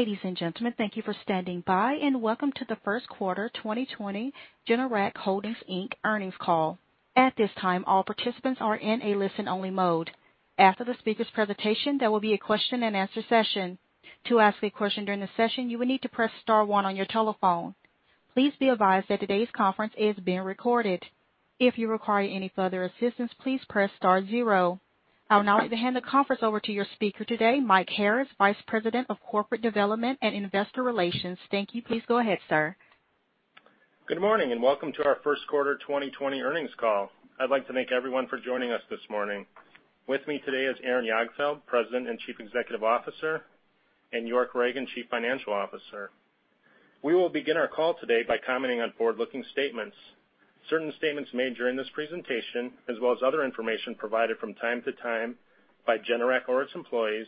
Ladies and gentlemen, thank you for standing by, and welcome to the first quarter 2020 Generac Holdings Inc. earnings call. At this time, all participants are in a listen-only mode. After the speaker's presentation, there will be a question-and-answer session. To ask a question during the session, you will need to press star one on your telephone. Please be advised that today's conference is being recorded. If you require any further assistance, please press star zero. I would now like to hand the conference over to your speaker today, Mike Harris, Vice President of Corporate Development and Investor Relations. Thank you. Please go ahead, sir. Good morning, and welcome to our first quarter 2020 earnings call. I'd like to thank everyone for joining us this morning. With me today is Aaron Jagdfeld, President and Chief Executive Officer, and York Ragen, Chief Financial Officer. We will begin our call today by commenting on forward-looking statements. Certain statements made during this presentation, as well as other information provided from time to time by Generac or its employees,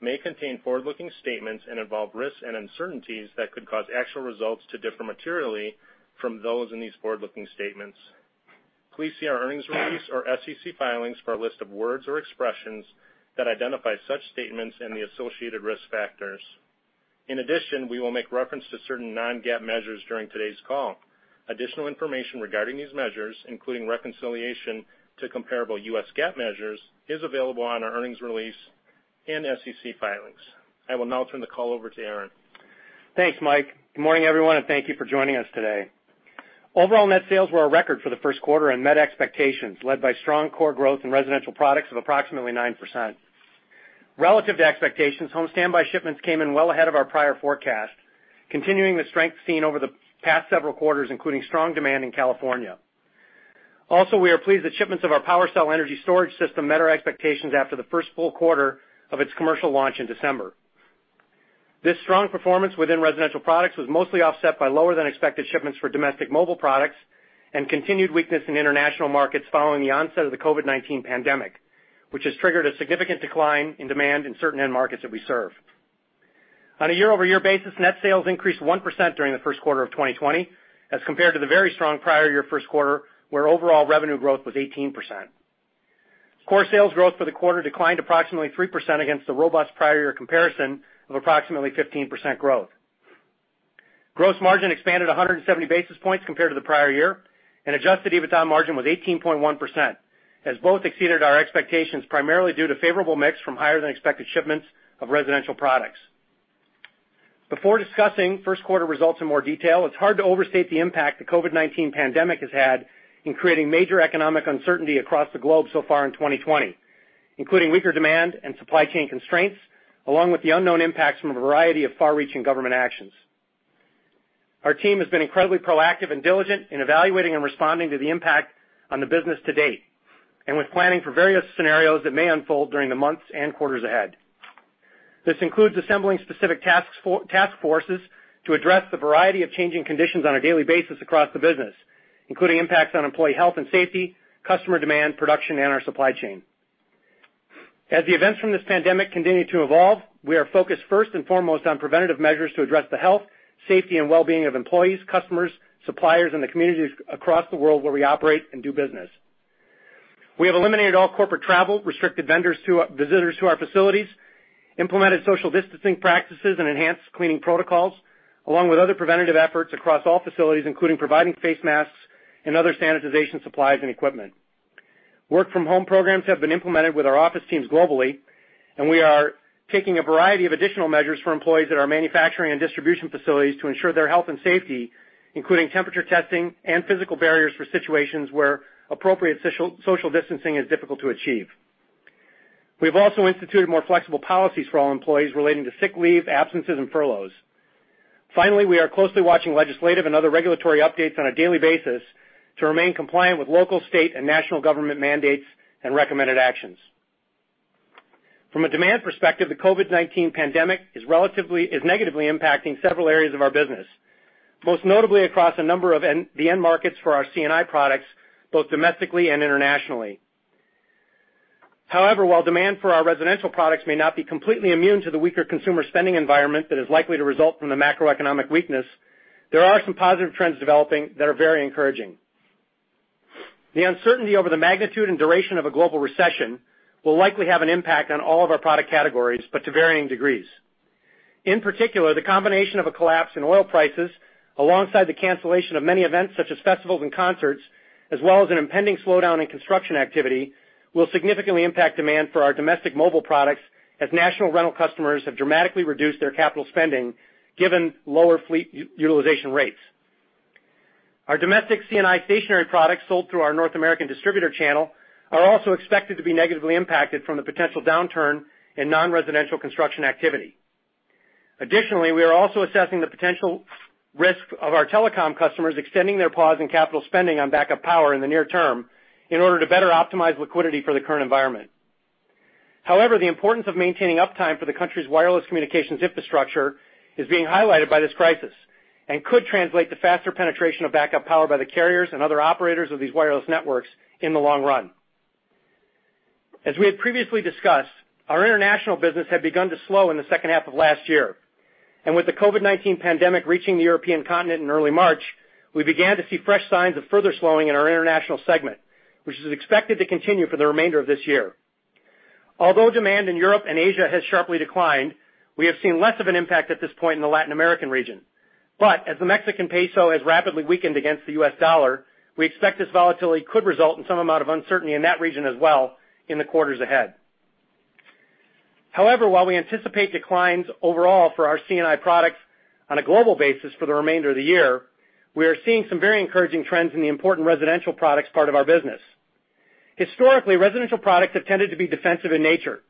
may contain forward-looking statements and involve risks and uncertainties that could cause actual results to differ materially from those in these forward-looking statements. Please see our earnings release or SEC filings for a list of words or expressions that identify such statements and the associated risk factors. In addition, we will make reference to certain non-GAAP measures during today's call. Additional information regarding these measures, including reconciliation to comparable U.S. GAAP measures, is available on our earnings release and SEC filings. I will now turn the call over to Aaron. Thanks, Mike. Good morning, everyone, and thank you for joining us today. Overall net sales were a record for the first quarter and met expectations, led by strong core growth in residential products of approximately 9%. Relative to expectations, home standby shipments came in well ahead of our prior forecast, continuing the strength seen over the past several quarters, including strong demand in California. We are pleased that shipments of our PWRcell energy storage system met our expectations after the first full quarter of its commercial launch in December. This strong performance within residential products was mostly offset by lower than expected shipments for domestic mobile products and continued weakness in international markets following the onset of the COVID-19 pandemic, which has triggered a significant decline in demand in certain end markets that we serve. On a year-over-year basis, net sales increased 1% during the first quarter of 2020 as compared to the very strong prior year first quarter, where overall revenue growth was 18%. Core sales growth for the quarter declined approximately 3% against the robust prior year comparison of approximately 15% growth. Gross margin expanded 170 basis points compared to the prior year, and adjusted EBITDA margin was 18.1%, as both exceeded our expectations, primarily due to favorable mix from higher than expected shipments of residential products. Before discussing first quarter results in more detail, it's hard to overstate the impact the COVID-19 pandemic has had in creating major economic uncertainty across the globe so far in 2020, including weaker demand and supply chain constraints, along with the unknown impacts from a variety of far-reaching government actions. Our team has been incredibly proactive and diligent in evaluating and responding to the impact on the business to date, and with planning for various scenarios that may unfold during the months and quarters ahead. This includes assembling specific task forces to address the variety of changing conditions on a daily basis across the business, including impacts on employee health and safety, customer demand, production, and our supply chain. As the events from this pandemic continue to evolve, we are focused first and foremost on preventative measures to address the health, safety, and well-being of employees, customers, suppliers, and the communities across the world where we operate and do business. We have eliminated all corporate travel, restricted visitors to our facilities, implemented social distancing practices and enhanced cleaning protocols, along with other preventative efforts across all facilities, including providing face masks and other sanitization supplies and equipment. Work-from-home programs have been implemented with our office teams globally, and we are taking a variety of additional measures for employees at our manufacturing and distribution facilities to ensure their health and safety, including temperature testing and physical barriers for situations where appropriate social distancing is difficult to achieve. We have also instituted more flexible policies for all employees relating to sick leave, absences, and furloughs. Finally, we are closely watching legislative and other regulatory updates on a daily basis to remain compliant with local, state, and national government mandates and recommended actions. From a demand perspective, the COVID-19 pandemic is negatively impacting several areas of our business. Most notably across a number of the end markets for our C&I products, both domestically and internationally. While demand for our residential products may not be completely immune to the weaker consumer spending environment that is likely to result from the macroeconomic weakness, there are some positive trends developing that are very encouraging. The uncertainty over the magnitude and duration of a global recession will likely have an impact on all of our product categories, but to varying degrees. In particular, the combination of a collapse in oil prices alongside the cancellation of many events such as festivals and concerts, as well as an impending slowdown in construction activity, will significantly impact demand for our domestic mobile products, as national rental customers have dramatically reduced their capital spending given lower fleet utilization rates. Our domestic C&I stationary products sold through our North American distributor channel are also expected to be negatively impacted from the potential downturn in non-residential construction activity. Additionally, we are also assessing the potential risk of our telecom customers extending their pause in capital spending on backup power in the near term in order to better optimize liquidity for the current environment. However, the importance of maintaining uptime for the country's wireless communications infrastructure is being highlighted by this crisis and could translate to faster penetration of backup power by the carriers and other operators of these wireless networks in the long run. As we had previously discussed, our international business had begun to slow in the second half of last year. With the COVID-19 pandemic reaching the European continent in early March, we began to see fresh signs of further slowing in our International segment, which is expected to continue for the remainder of this year. Demand in Europe and Asia has sharply declined, we have seen less of an impact at this point in the Latin American region. As the Mexican peso has rapidly weakened against the U.S. dollar, we expect this volatility could result in some amount of uncertainty in that region as well in the quarters ahead. While we anticipate declines overall for our C&I products on a global basis for the remainder of the year, we are seeing some very encouraging trends in the important residential products part of our business. Historically, residential products have tended to be defensive in nature,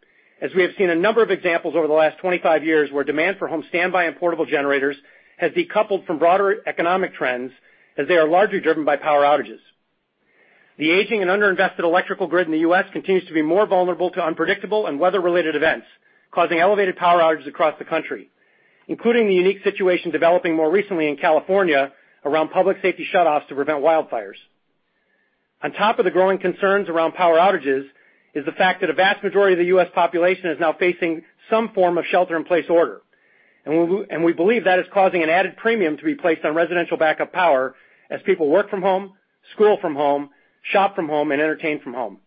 as we have seen a number of examples over the last 25 years where demand for home standby and portable generators has decoupled from broader economic trends as they are largely driven by power outages. The aging and under-invested electrical grid in the U.S. continues to be more vulnerable to unpredictable and weather-related events, causing elevated power outages across the country, including the unique situation developing more recently in California around public safety shutoffs to prevent wildfires. On top of the growing concerns around power outages is the fact that a vast majority of the U.S. population is now facing some form of shelter-in-place order. We believe that is causing an added premium to be placed on residential backup power as people work from home, school from home, shop from home, and entertain from home.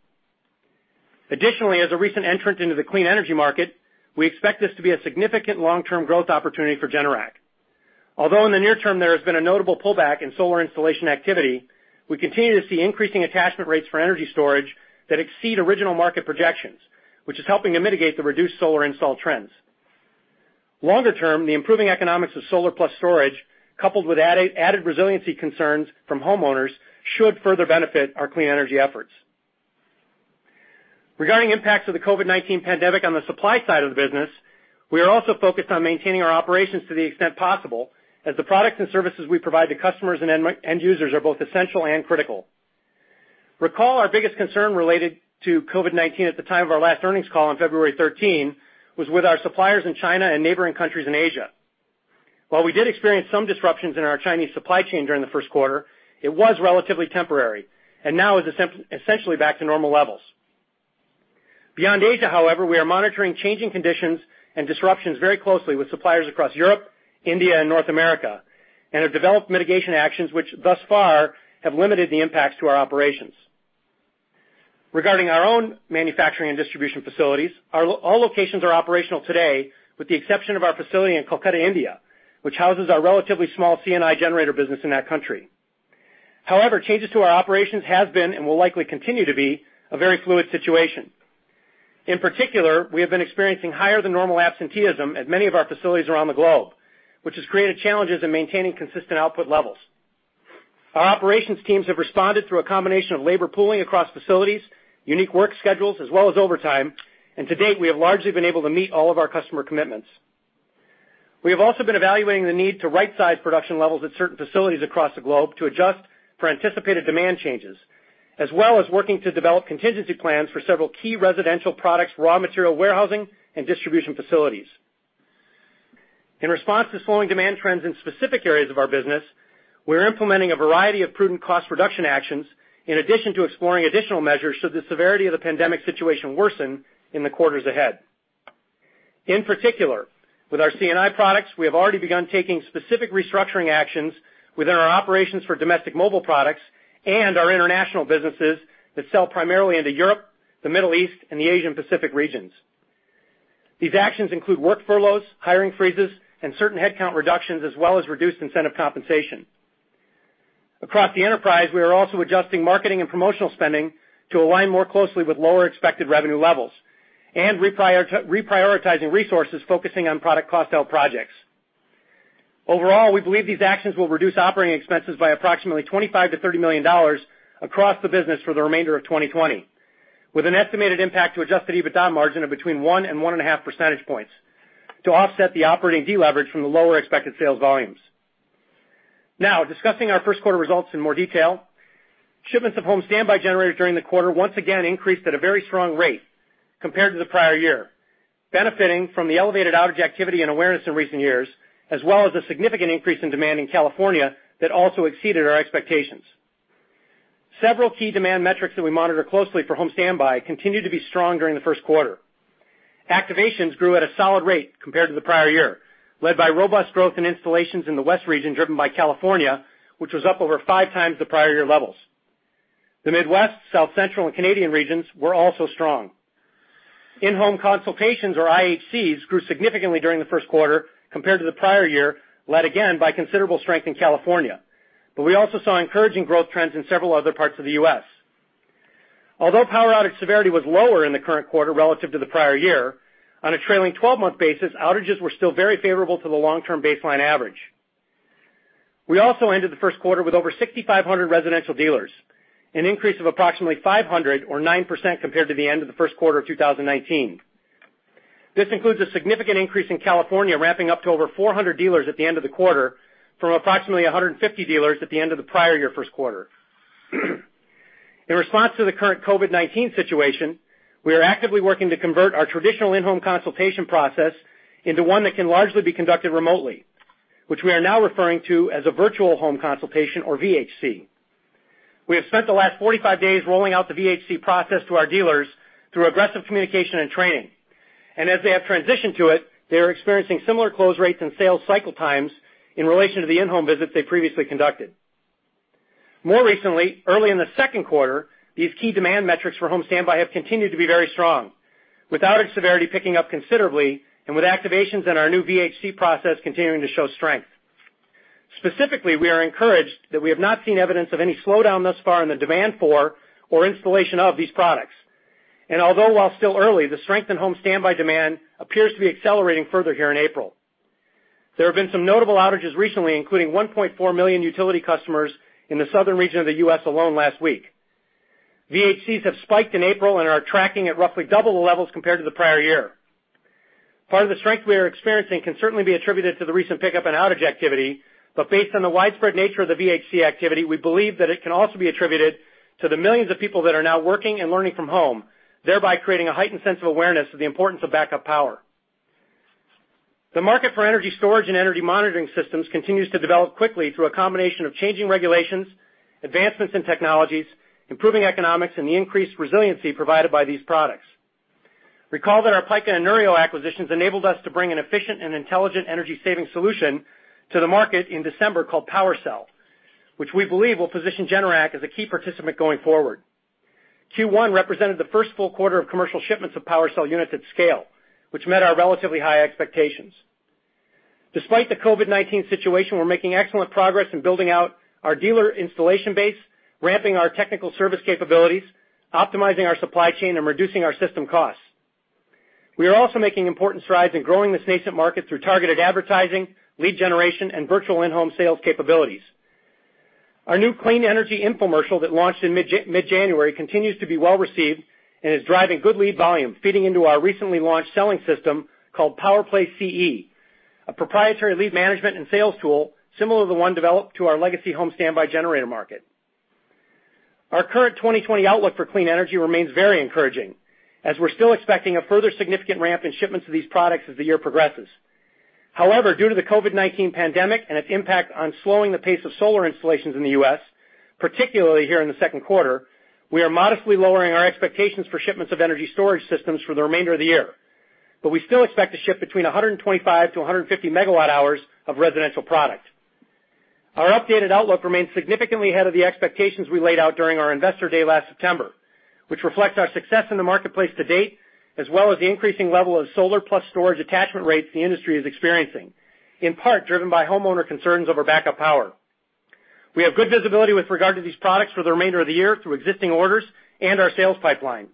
Additionally, as a recent entrant into the clean energy market, we expect this to be a significant long-term growth opportunity for Generac. Although in the near term there has been a notable pullback in solar installation activity, we continue to see increasing attachment rates for energy storage that exceed original market projections, which is helping to mitigate the reduced solar install trends. Longer term, the improving economics of solar plus storage, coupled with added resiliency concerns from homeowners, should further benefit our clean energy efforts. Regarding impacts of the COVID-19 pandemic on the supply side of the business, we are also focused on maintaining our operations to the extent possible, as the products and services we provide to customers and end users are both essential and critical. Recall, our biggest concern related to COVID-19 at the time of our last earnings call on February 13 was with our suppliers in China and neighboring countries in Asia. While we did experience some disruptions in our Chinese supply chain during the first quarter, it was relatively temporary and now is essentially back to normal levels. Beyond Asia, however, we are monitoring changing conditions and disruptions very closely with suppliers across Europe, India, and North America, and have developed mitigation actions which thus far have limited the impacts to our operations. Regarding our own manufacturing and distribution facilities, all locations are operational today with the exception of our facility in Kolkata, India, which houses our relatively small C&I generator business in that country. However, changes to our operations have been and will likely continue to be a very fluid situation. In particular, we have been experiencing higher than normal absenteeism at many of our facilities around the globe, which has created challenges in maintaining consistent output levels. Our operations teams have responded through a combination of labor pooling across facilities, unique work schedules, as well as overtime, and to date, we have largely been able to meet all of our customer commitments. We have also been evaluating the need to rightsize production levels at certain facilities across the globe to adjust for anticipated demand changes, as well as working to develop contingency plans for several key residential products, raw material warehousing, and distribution facilities. In response to slowing demand trends in specific areas of our business, we are implementing a variety of prudent cost reduction actions in addition to exploring additional measures should the severity of the pandemic situation worsen in the quarters ahead. In particular, with our C&I products, we have already begun taking specific restructuring actions within our operations for domestic mobile products and our international businesses that sell primarily into Europe, the Middle East, and the Asia Pacific regions. These actions include work furloughs, hiring freezes, and certain headcount reductions, as well as reduced incentive compensation. Across the enterprise, we are also adjusting marketing and promotional spending to align more closely with lower expected revenue levels and reprioritizing resources focusing on product cost out projects. Overall, we believe these actions will reduce operating expenses by approximately $25 million-$30 million across the business for the remainder of 2020, with an estimated impact to adjusted EBITDA margin of between one and one and a half percentage points to offset the operating deleverage from the lower expected sales volumes. Discussing our first quarter results in more detail. Shipments of home standby generators during the quarter once again increased at a very strong rate compared to the prior year, benefiting from the elevated outage activity and awareness in recent years, as well as a significant increase in demand in California that also exceeded our expectations. Several key demand metrics that we monitor closely for home standby continued to be strong during the first quarter. Activations grew at a solid rate compared to the prior year, led by robust growth in installations in the West region driven by California, which was up over 5x the prior year levels. The Midwest, South Central, and Canadian regions were also strong. In-home consultations or IHCs grew significantly during the first quarter compared to the prior year, led again by considerable strength in California, but we also saw encouraging growth trends in several other parts of the U.S. Although power outage severity was lower in the current quarter relative to the prior year, on a trailing 12-month basis, outages were still very favorable to the long-term baseline average. We also ended the first quarter with over 6,500 residential dealers, an increase of approximately 500 or 9% compared to the end of the first quarter of 2019. This includes a significant increase in California ramping up to over 400 dealers at the end of the quarter from approximately 150 dealers at the end of the prior year first quarter. In response to the current COVID-19 situation, we are actively working to convert our traditional in-home consultation process into one that can largely be conducted remotely, which we are now referring to as a virtual home consultation or VHC. We have spent the last 45 days rolling out the VHC process to our dealers through aggressive communication and training. As they have transitioned to it, they are experiencing similar close rates and sales cycle times in relation to the in-home visits they previously conducted. More recently, early in the second quarter, these key demand metrics for home standby have continued to be very strong, with outage severity picking up considerably and with activations in our new VHC process continuing to show strength. Specifically, we are encouraged that we have not seen evidence of any slowdown thus far in the demand for or installation of these products. Although, while still early, the strength in home standby demand appears to be accelerating further here in April. There have been some notable outages recently, including 1.4 million utility customers in the southern region of the U.S. alone last week. VHCs have spiked in April and are tracking at roughly double the levels compared to the prior year. Part of the strength we are experiencing can certainly be attributed to the recent pickup in outage activity, based on the widespread nature of the VHC activity, we believe that it can also be attributed to the millions of people that are now working and learning from home, thereby creating a heightened sense of awareness of the importance of backup power. The market for energy storage and energy monitoring systems continues to develop quickly through a combination of changing regulations, advancements in technologies, improving economics, and the increased resiliency provided by these products. Recall that our Pika and Neurio acquisitions enabled us to bring an efficient and intelligent energy-saving solution to the market in December called PWRcell, which we believe will position Generac as a key participant going forward. Q1 represented the first full quarter of commercial shipments of PWRcell units at scale, which met our relatively high expectations. Despite the COVID-19 situation, we're making excellent progress in building out our dealer installation base, ramping our technical service capabilities, optimizing our supply chain, and reducing our system costs. We are also making important strides in growing this nascent market through targeted advertising, lead generation, and virtual in-home sales capabilities. Our new clean energy infomercial that launched in mid-January continues to be well-received and is driving good lead volume, feeding into our recently launched selling system called PowerPlay CE, a proprietary lead management and sales tool similar to the one developed to our legacy home standby generator market. Our current 2020 outlook for clean energy remains very encouraging, as we're still expecting a further significant ramp in shipments of these products as the year progresses. However, due to the COVID-19 pandemic and its impact on slowing the pace of solar installations in the U.S., particularly here in the second quarter, we are modestly lowering our expectations for shipments of energy storage systems for the remainder of the year. We still expect to ship between 125 megawatt hours-150 megawatt hours of residential product. Our updated outlook remains significantly ahead of the expectations we laid out during our investor day last September, which reflects our success in the marketplace to date as well as the increasing level of solar plus storage attachment rates the industry is experiencing, in part driven by homeowner concerns over backup power. We have good visibility with regard to these products for the remainder of the year through existing orders and our sales pipeline.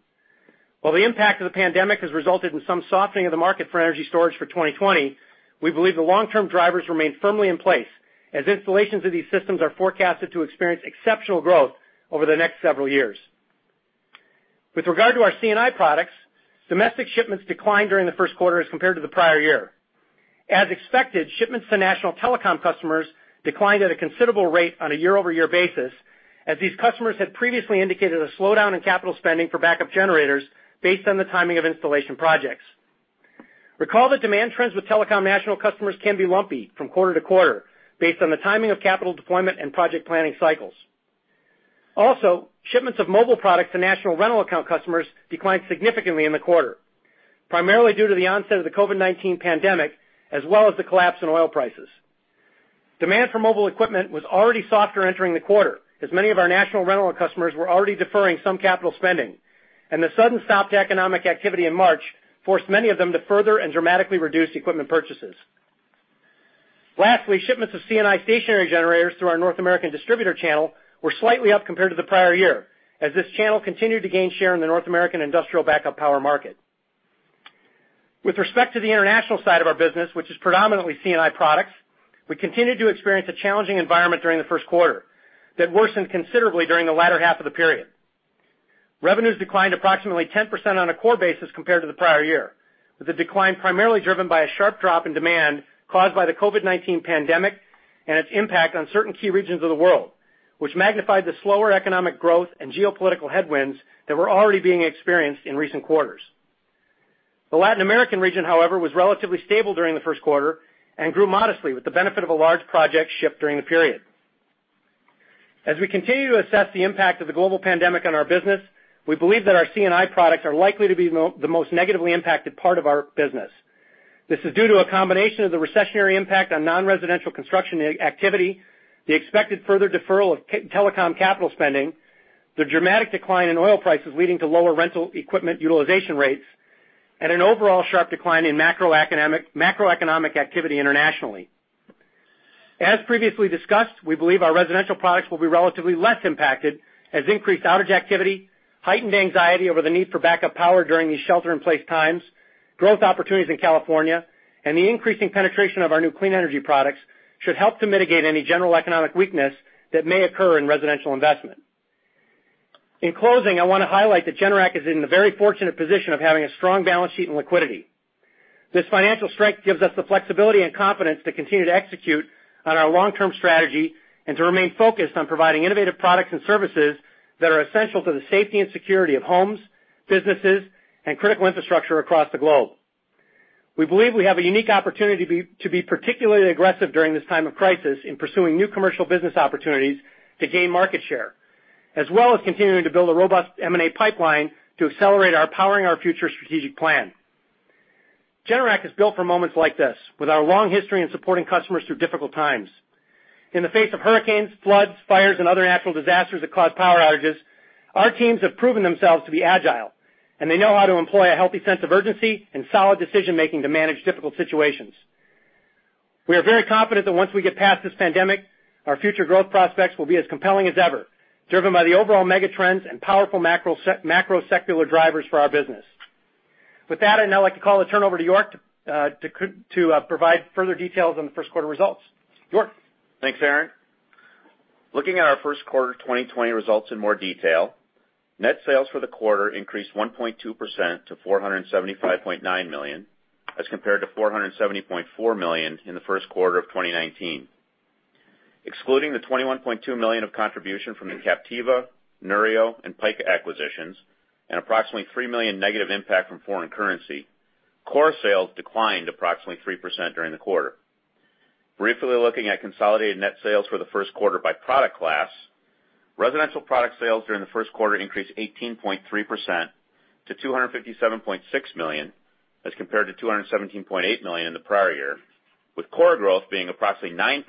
While the impact of the pandemic has resulted in some softening of the market for energy storage for 2020, we believe the long-term drivers remain firmly in place, as installations of these systems are forecasted to experience exceptional growth over the next several years. With regard to our C&I products, domestic shipments declined during the first quarter as compared to the prior year. As expected, shipments to national telecom customers declined at a considerable rate on a year-over-year basis, as these customers had previously indicated a slowdown in capital spending for backup generators based on the timing of installation projects. Recall that demand trends with telecom national customers can be lumpy from quarter-to-quarter based on the timing of capital deployment and project planning cycles. Also, shipments of mobile products to national rental account customers declined significantly in the quarter, primarily due to the onset of the COVID-19 pandemic as well as the collapse in oil prices. Demand for mobile equipment was already softer entering the quarter, as many of our national rental customers were already deferring some capital spending, and the sudden stop to economic activity in March forced many of them to further and dramatically reduce equipment purchases. Lastly, shipments of C&I stationary generators through our North American distributor channel were slightly up compared to the prior year, as this channel continued to gain share in the North American industrial backup power market. With respect to the international side of our business, which is predominantly C&I products, we continued to experience a challenging environment during the first quarter that worsened considerably during the latter half of the period. Revenues declined approximately 10% on a core basis compared to the prior year, with the decline primarily driven by a sharp drop in demand caused by the COVID-19 pandemic and its impact on certain key regions of the world, which magnified the slower economic growth and geopolitical headwinds that were already being experienced in recent quarters. The Latin American region, however, was relatively stable during the first quarter and grew modestly with the benefit of a large project shipped during the period. As we continue to assess the impact of the global pandemic on our business, we believe that our C&I products are likely to be the most negatively impacted part of our business. This is due to a combination of the recessionary impact on non-residential construction activity, the expected further deferral of telecom capital spending, the dramatic decline in oil prices leading to lower rental equipment utilization rates, and an overall sharp decline in macroeconomic activity internationally. As previously discussed, we believe our residential products will be relatively less impacted, as increased outage activity, heightened anxiety over the need for backup power during these shelter-in-place times, growth opportunities in California, and the increasing penetration of our new clean energy products should help to mitigate any general economic weakness that may occur in residential investment. In closing, I want to highlight that Generac is in the very fortunate position of having a strong balance sheet and liquidity. This financial strength gives us the flexibility and confidence to continue to execute on our long-term strategy and to remain focused on providing innovative products and services that are essential to the safety and security of homes, businesses, and critical infrastructure across the globe. We believe we have a unique opportunity to be particularly aggressive during this time of crisis in pursuing new commercial business opportunities to gain market share, as well as continuing to build a robust M&A pipeline to accelerate our Powering Our Future strategic plan. Generac is built for moments like this, with our long history in supporting customers through difficult times. In the face of hurricanes, floods, fires, and other natural disasters that cause power outages, our teams have proven themselves to be agile, and they know how to employ a healthy sense of urgency and solid decision-making to manage difficult situations. We are very confident that once we get past this pandemic, our future growth prospects will be as compelling as ever, driven by the overall mega trends and powerful macro secular drivers for our business. With that, I'd now like to call the turnover to York to provide further details on the first quarter results. York? Thanks, Aaron. Looking at our first quarter 2020 results in more detail, net sales for the quarter increased 1.2% to $475.9 million as compared to $470.4 million in the first quarter of 2019. Excluding the $21.2 million of contribution from the Captiva, Neurio, and Pika acquisitions, and approximately $3 million negative impact from foreign currency, core sales declined approximately 3% during the quarter. Briefly looking at consolidated net sales for the first quarter by product class, residential product sales during the first quarter increased 18.3% to $257.6 million as compared to $217.8 million in the prior year, with core growth being approximately 9%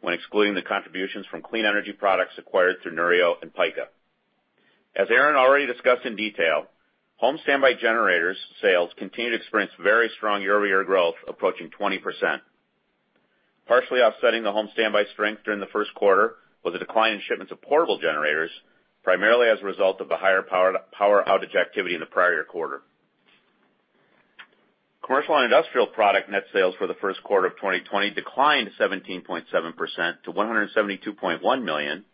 when excluding the contributions from clean energy products acquired through Neurio and Pika. As Aaron already discussed in detail, home standby generators sales continued to experience very strong year-over-year growth approaching 20%. Partially offsetting the home standby strength during the first quarter was a decline in shipments of portable generators, primarily as a result of the higher power outage activity in the prior quarter. Commercial and industrial product net sales for the first quarter of 2020 declined 17.7% to $172.1 million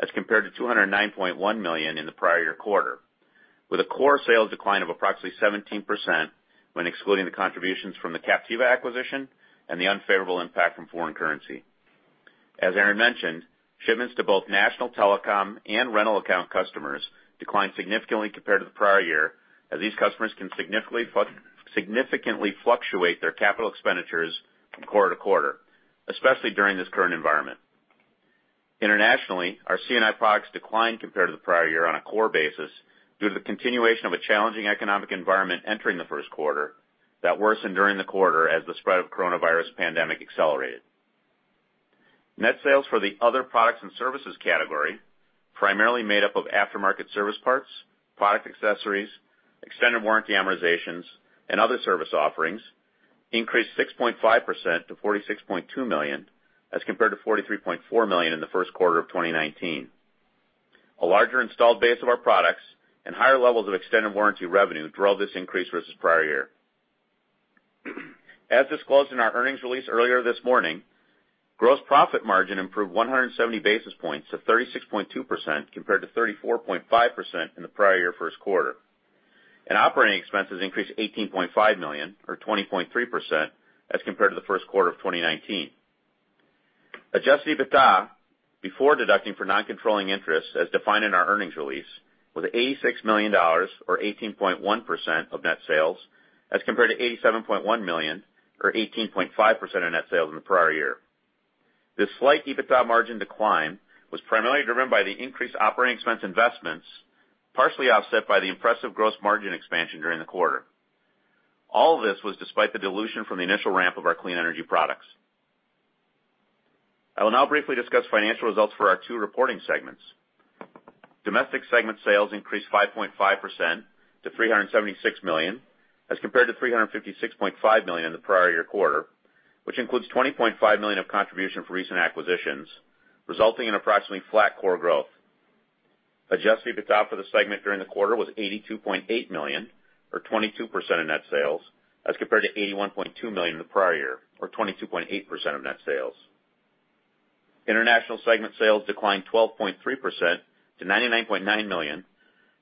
as compared to $209.1 million in the prior year quarter, with a core sales decline of approximately 17% when excluding the contributions from the Captiva acquisition and the unfavorable impact from foreign currency. As Aaron mentioned, shipments to both national telecom and rental account customers declined significantly compared to the prior year, as these customers can significantly fluctuate their capital expenditures from quarter to quarter, especially during this current environment. Internationally, our C&I products declined compared to the prior year on a core basis due to the continuation of a challenging economic environment entering the first quarter that worsened during the quarter as the spread of coronavirus pandemic accelerated. Net sales for the other products and services category, primarily made up of aftermarket service parts, product accessories, extended warranty amortizations, and other service offerings, increased 6.5% to $46.2 million, as compared to $43.4 million in the first quarter of 2019. A larger installed base of our products and higher levels of extended warranty revenue drove this increase versus prior year. As disclosed in our earnings release earlier this morning, gross profit margin improved 170 basis points to 36.2% compared to 34.5% in the prior year first quarter, and operating expenses increased to $18.5 million or 20.3% as compared to the first quarter of 2019. Adjusted EBITDA, before deducting for non-controlling interests as defined in our earnings release, was $86 million or 18.1% of net sales as compared to $87.1 million or 18.5% of net sales in the prior year. This slight EBITDA margin decline was primarily driven by the increased operating expense investments, partially offset by the impressive gross margin expansion during the quarter. All this was despite the dilution from the initial ramp of our clean energy products. I will now briefly discuss financial results for our two reporting segments. Domestic segment sales increased 5.5% to $376 million as compared to $356.5 million in the prior year quarter, which includes $20.5 million of contribution for recent acquisitions, resulting in approximately flat core growth. Adjusted EBITDA for the segment during the quarter was $82.8 million or 22% of net sales as compared to $81.2 million in the prior year or 22.8% of net sales. International segment sales declined 12.3% to $99.9 million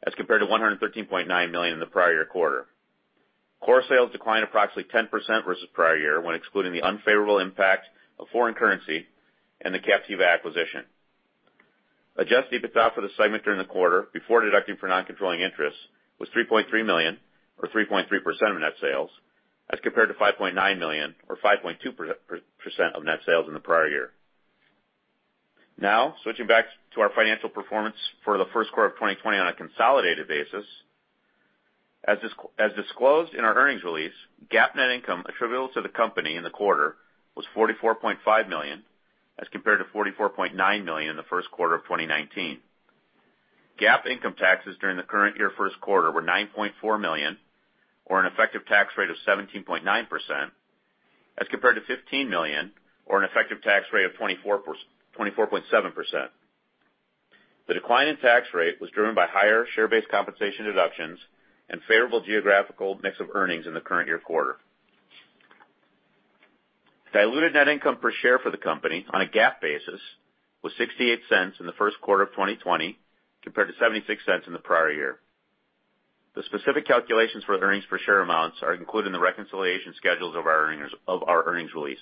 as compared to $113.9 million in the prior year quarter. Core sales declined approximately 10% versus the prior year when excluding the unfavorable impact of foreign currency and the Captiva acquisition. Adjusted EBITDA for the segment during the quarter, before deducting for non-controlling interests, was $3.3 million or 3.3% of net sales as compared to $5.9 million or 5.2% of net sales in the prior year. Switching back to our financial performance for the first quarter of 2020 on a consolidated basis. As disclosed in our earnings release, GAAP net income attributable to the company in the quarter was $44.5 million as compared to $44.9 million in the first quarter of 2019. GAAP income taxes during the current year first quarter were $9.4 million or an effective tax rate of 17.9% as compared to $15 million or an effective tax rate of 24.7%. The decline in tax rate was driven by higher share-based compensation deductions and favorable geographical mix of earnings in the current year quarter. Diluted net income per share for the company on a GAAP basis was $0.68 in the first quarter of 2020 compared to $0.76 in the prior year. The specific calculations for earnings per share amounts are included in the reconciliation schedules of our earnings release.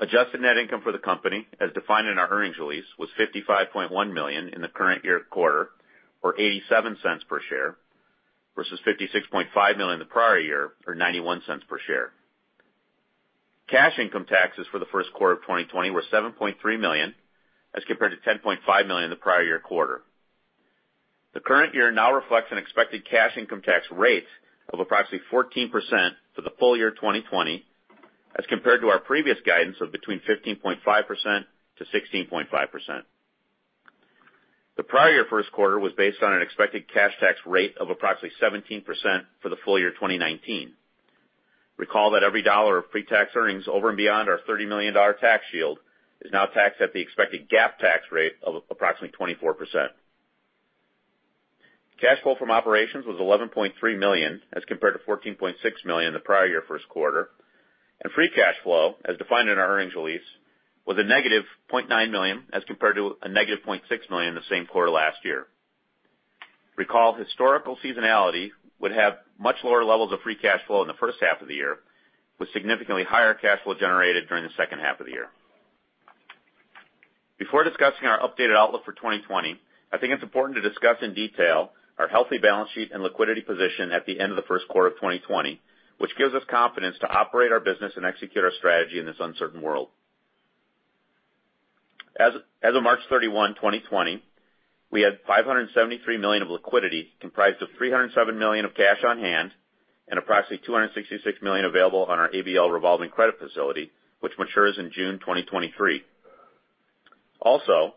Adjusted net income for the company, as defined in our earnings release, was $55.1 million in the current year quarter or $0.87 per share versus $56.5 million in the prior year or $0.91 per share. Cash income taxes for the first quarter of 2020 were $7.3 million as compared to $10.5 million in the prior year quarter. The current year now reflects an expected cash income tax rate of approximately 14% for the full year 2020, as compared to our previous guidance of between 15.5%-16.5%. The prior year first quarter was based on an expected cash tax rate of approximately 17% for the full year 2019. Recall that every dollar of pre-tax earnings over and beyond our $30 million tax shield is now taxed at the expected GAAP tax rate of approximately 24%. Cash flow from operations was $11.3 million, as compared to $14.6 million in the prior year first quarter, and free cash flow, as defined in our earnings release, was a negative $0.9 million, as compared to a negative $0.6 million in the same quarter last year. Recall historical seasonality would have much lower levels of free cash flow in the first half of the year, with significantly higher cash flow generated during the second half of the year. Before discussing our updated outlook for 2020, I think it's important to discuss in detail our healthy balance sheet and liquidity position at the end of the first quarter of 2020, which gives us confidence to operate our business and execute our strategy in this uncertain world. As of March 31, 2020, we had $573 million of liquidity, comprised of $307 million of cash on hand and approximately $266 million available on our ABL revolving credit facility, which matures in June 2023. Also,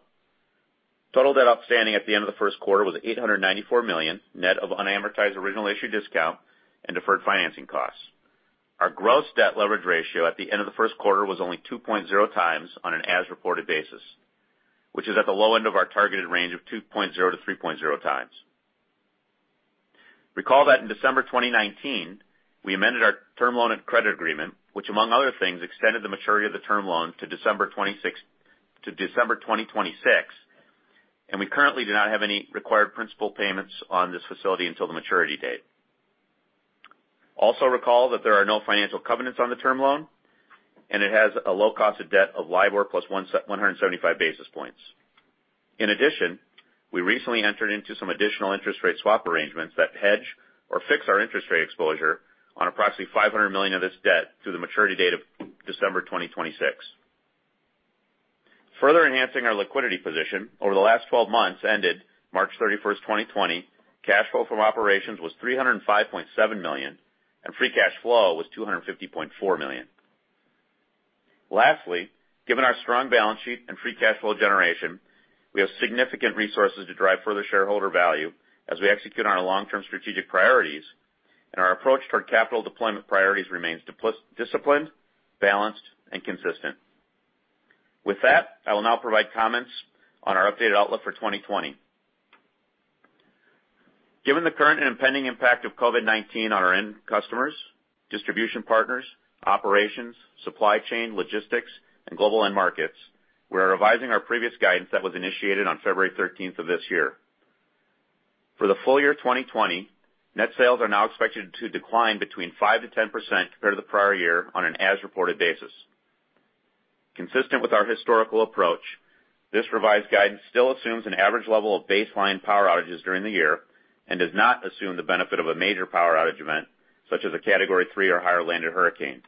total debt outstanding at the end of the first quarter was $894 million, net of unamortized original issue discount and deferred financing costs. Our gross debt leverage ratio at the end of the first quarter was only 2.0x on an as-reported basis, which is at the low end of our targeted range of 2.0x-3.0x. Recall that in December 2019, we amended our term loan and credit agreement, which, among other things, extended the maturity of the term loan to December 2026, and we currently do not have any required principal payments on this facility until the maturity date. Also recall that there are no financial covenants on the term loan, and it has a low cost of debt of LIBOR plus 175 basis points. In addition, we recently entered into some additional interest rate swap arrangements that hedge or fix our interest rate exposure on approximately $500 million of this debt through the maturity date of December 2026. Further enhancing our liquidity position over the last 12 months ended March 31, 2020, cash flow from operations was $305.7 million, and free cash flow was $250.4 million. Lastly, given our strong balance sheet and free cash flow generation, we have significant resources to drive further shareholder value as we execute on our long-term strategic priorities, and our approach toward capital deployment priorities remains disciplined, balanced, and consistent. With that, I will now provide comments on our updated outlook for 2020. Given the current and impending impact of COVID-19 on our end customers, distribution partners, operations, supply chain, logistics, and global end markets, we are revising our previous guidance that was initiated on February 13th of this year. For the full year 2020, net sales are now expected to decline between 5%-10% compared to the prior year on an as-reported basis. Consistent with our historical approach, this revised guidance still assumes an average level of baseline power outages during the year and does not assume the benefit of a major power outage event, such as a Category 3 or higher landed hurricane.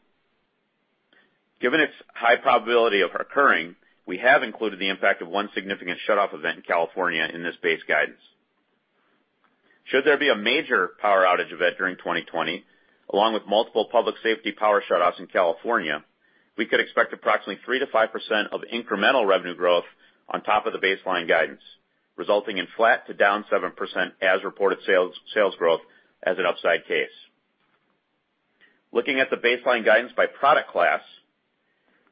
Given its high probability of occurring, we have included the impact of one significant shutoff event in California in this base guidance. Should there be a major power outage event during 2020, along with multiple public safety power shutoffs in California, we could expect approximately 3%-5% of incremental revenue growth on top of the baseline guidance, resulting in flat to down 7% as-reported sales growth as an upside case. Looking at the baseline guidance by product class,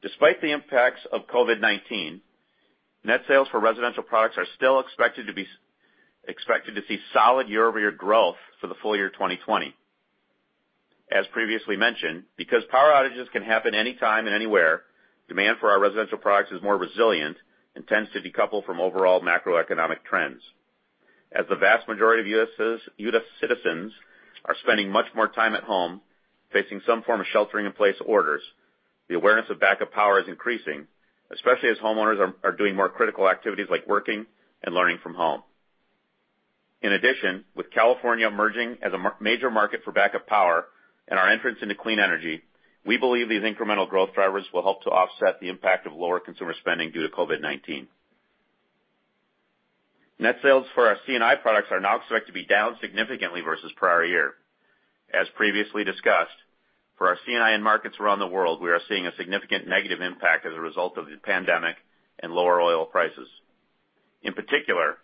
despite the impacts of COVID-19, net sales for residential products are still expected to see solid year-over-year growth for the full year 2020. As previously mentioned, because power outages can happen anytime and anywhere, demand for our residential products is more resilient and tends to decouple from overall macroeconomic trends. As the vast majority of U.S. citizens are spending much more time at home facing some form of shelter-in-place orders, the awareness of backup power is increasing, especially as homeowners are doing more critical activities like working and learning from home. In addition, with California emerging as a major market for backup power and our entrance into clean energy, we believe these incremental growth drivers will help to offset the impact of lower consumer spending due to COVID-19. Net sales for our C&I products are now expected to be down significantly versus the prior year. As previously discussed, for our C&I end markets around the world, we are seeing a significant negative impact as a result of the pandemic and lower oil prices. In particular,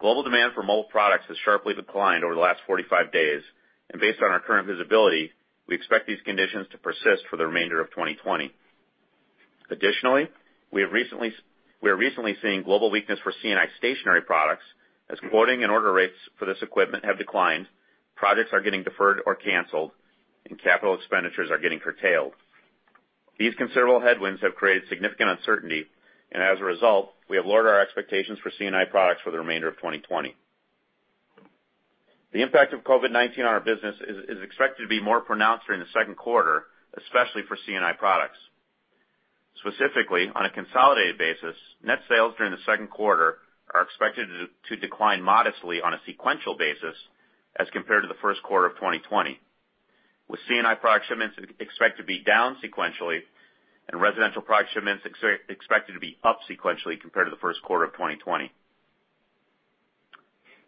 global demand for mobile products has sharply declined over the last 45 days, and based on our current visibility, we expect these conditions to persist for the remainder of 2020. Additionally, we are recently seeing global weakness for C&I stationary products. As quoting and order rates for this equipment have declined, projects are getting deferred or canceled, and capital expenditures are getting curtailed. These considerable headwinds have created significant uncertainty, and as a result, we have lowered our expectations for C&I products for the remainder of 2020. The impact of COVID-19 on our business is expected to be more pronounced during the second quarter, especially for C&I products. Specifically, on a consolidated basis, net sales during the second quarter are expected to decline modestly on a sequential basis as compared to the first quarter of 2020, with C&I product shipments expected to be down sequentially and residential product shipments expected to be up sequentially compared to the first quarter of 2020.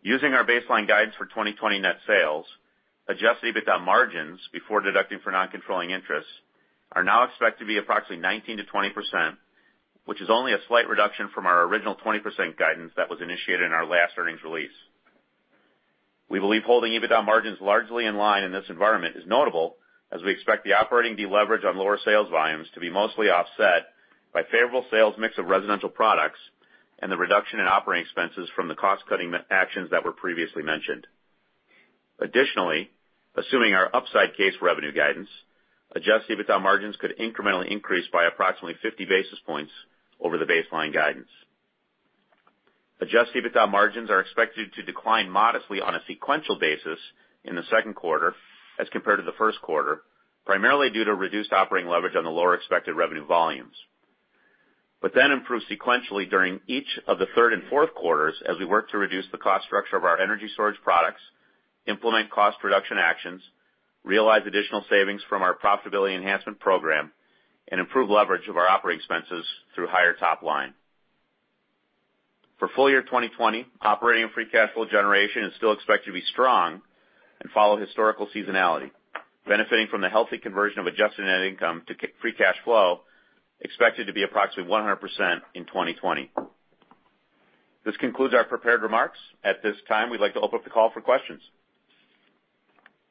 Using our baseline guidance for 2020 net sales, adjusted EBITDA margins before deducting for non-controlling interests are now expected to be approximately 19%-20%, which is only a slight reduction from our original 20% guidance that was initiated in our last earnings release. We believe holding EBITDA margins largely in line in this environment is notable, as we expect the operating deleverage on lower sales volumes to be mostly offset by favorable sales mix of residential products and the reduction in operating expenses from the cost-cutting actions that were previously mentioned. Additionally, assuming our upside case revenue guidance, adjusted EBITDA margins could incrementally increase by approximately 50 basis points over the baseline guidance. Adjusted EBITDA margins are expected to decline modestly on a sequential basis in the second quarter as compared to the first quarter, primarily due to reduced operating leverage on the lower expected revenue volumes. Improve sequentially during each of the third and fourth quarters as we work to reduce the cost structure of our energy storage products, implement cost reduction actions, realize additional savings from our profitability enhancement program, and improve leverage of our operating expenses through higher top line. For full year 2020, operating free cash flow generation is still expected to be strong and follow historical seasonality, benefiting from the healthy conversion of adjusted net income to free cash flow, expected to be approximately 100% in 2020. This concludes our prepared remarks. At this time, we'd like to open up the call for questions.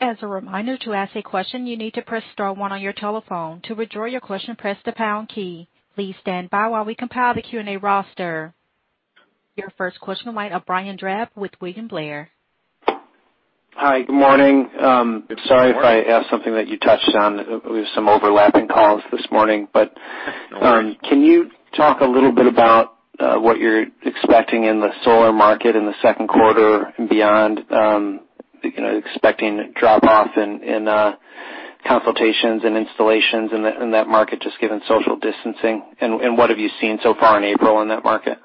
As a reminder, to ask a question, you need to press star one on your telephone. To withdraw your question, press the pound key. Please stand by while we compile the Q&A roster. Your first question will be Brian Drab with William Blair. Hi. Good morning. Good morning. Sorry if I ask something that you touched on. We have some overlapping calls this morning. No worries. Can you talk a little bit about what you're expecting in the solar market in the second quarter and beyond? Expecting a drop-off in consultations and installations in that market, just given social distancing. What have you seen so far in April in that market?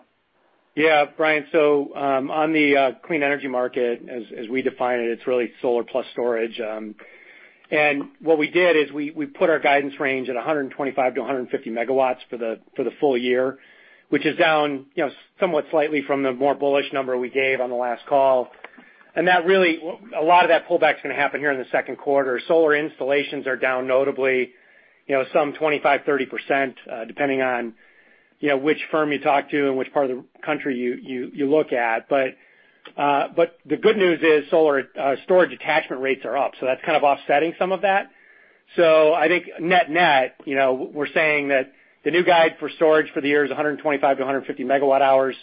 Brian, on the clean energy market, as we define it's really solar plus storage. What we did is we put our guidance range at 125-150 megawatts for the full year, which is down somewhat slightly from the more bullish number we gave on the last call. A lot of that pullback is going to happen here in the second quarter. Solar installations are down notably some 25%-30%, depending on which firm you talk to and which part of the country you look at. The good news is solar storage attachment rates are up, that's kind of offsetting some of that. I think net-net, we're saying that the new guide for storage for the year is 125-150 megawatt hours.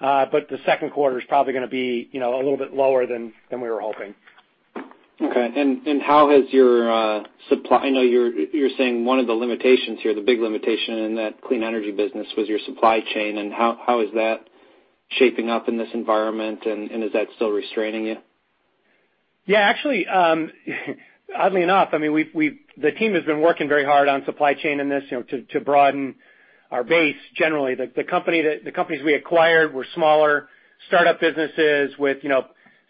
The second quarter is probably going to be a little bit lower than we were hoping. Okay. I know you're saying one of the limitations here, the big limitation in that clean energy business, was your supply chain. How is that shaping up in this environment, and is that still restraining you? Yeah, actually, oddly enough, the team has been working very hard on supply chain in this to broaden our base generally. The companies we acquired were smaller startup businesses with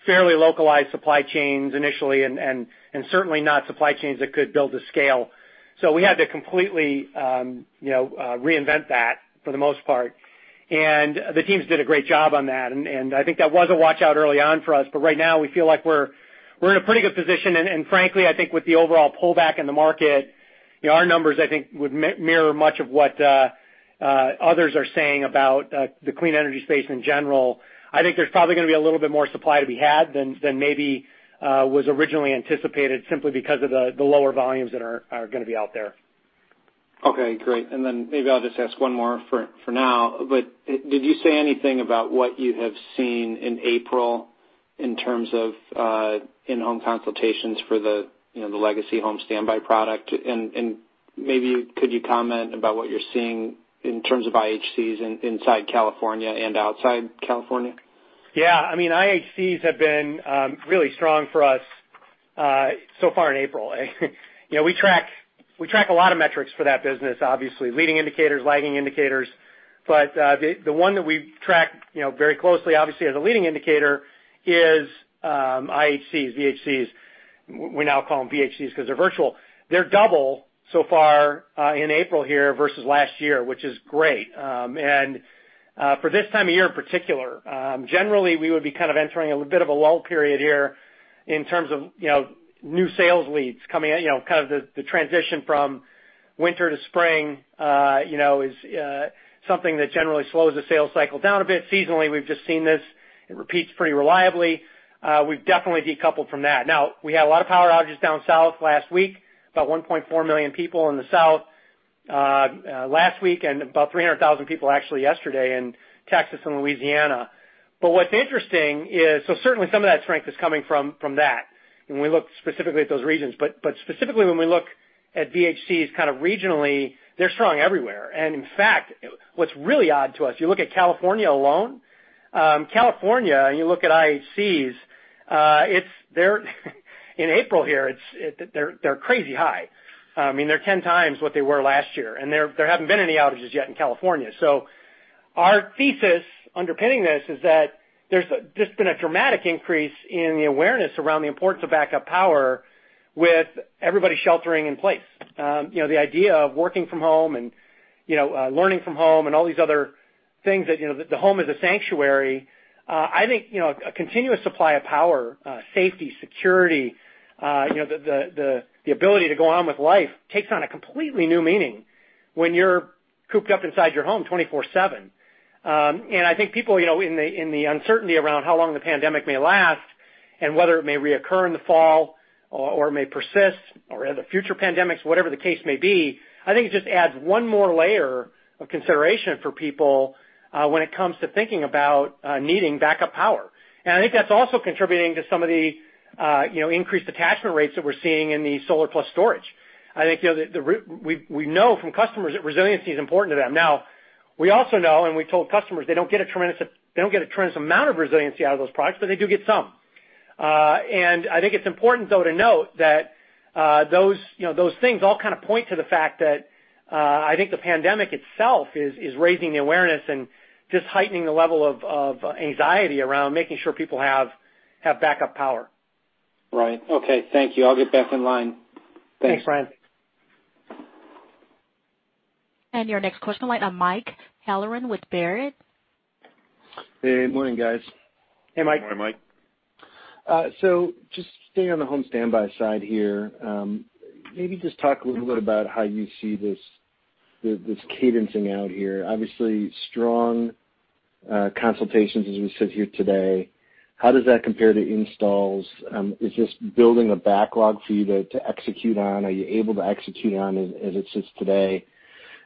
fairly localized supply chains initially, and certainly not supply chains that could build to scale. We had to completely reinvent that for the most part, and the teams did a great job on that. I think that was a watch-out early on for us. Right now, we feel like we're in a pretty good position. Frankly, I think with the overall pullback in the market, our numbers, I think, would mirror much of what others are saying about the clean energy space in general. I think there's probably going to be a little bit more supply to be had than maybe was originally anticipated, simply because of the lower volumes that are going to be out there. Okay. Great. Maybe I'll just ask one more for now, but did you say anything about what you have seen in April in terms of in-home consultations for the legacy home standby product? Maybe could you comment about what you're seeing in terms of IHCs inside California and outside California? Yeah. IHCs have been really strong for us so far in April. We track a lot of metrics for that business, obviously. Leading indicators, lagging indicators. The one that we track very closely, obviously as a leading indicator, is IHCs, VHCs. We now call them VHCs because they're virtual. They're double so far in April here versus last year, which is great. For this time of year in particular, generally, we would be kind of entering a bit of a lull period here in terms of new sales leads coming in. Kind of the transition from winter to spring is something that generally slows the sales cycle down a bit. Seasonally, we've just seen this. It repeats pretty reliably. We've definitely decoupled from that. We had a lot of power outages down south last week, about 1.4 million people in the south last week, and about 300,000 people actually yesterday in Texas and Louisiana. Certainly some of that strength is coming from that, when we look specifically at those regions. Specifically when we look at VHCs kind of regionally, they're strong everywhere. In fact, what's really odd to us, you look at California alone, California, and you look at IHCs. In April here, they're crazy high. They're 10x what they were last year, and there haven't been any outages yet in California. Our thesis underpinning this is that there's just been a dramatic increase in the awareness around the importance of backup power with everybody sheltering in place. The idea of working from home and learning from home and all these other things that the home is a sanctuary. I think, a continuous supply of power, safety, security, the ability to go on with life takes on a completely new meaning when you're cooped up inside your home 24 seven. I think people, in the uncertainty around how long the pandemic may last and whether it may reoccur in the fall or may persist or the future pandemics, whatever the case may be, I think it just adds one more layer of consideration for people, when it comes to thinking about needing backup power. I think that's also contributing to some of the increased attachment rates that we're seeing in the solar plus storage. I think, we know from customers that resiliency is important to them. Now, we also know, and we've told customers they don't get a tremendous amount of resiliency out of those products, but they do get some. I think it's important though to note that those things all point to the fact that, I think the pandemic itself is raising the awareness and just heightening the level of anxiety around making sure people have backup power. Right. Okay. Thank you. I'll get back in line. Thanks. Thanks, Brian. Your next question line, Mike Halloran with Baird. Hey, good morning, guys. Hey, Mike. Good morning, Mike. Just staying on the home standby side here. Maybe just talk a little bit about how you see this cadencing out here? Obviously, strong consultations as we sit here today. How does that compare to installs? Is this building a backlog for you to execute on? Are you able to execute on as it sits today?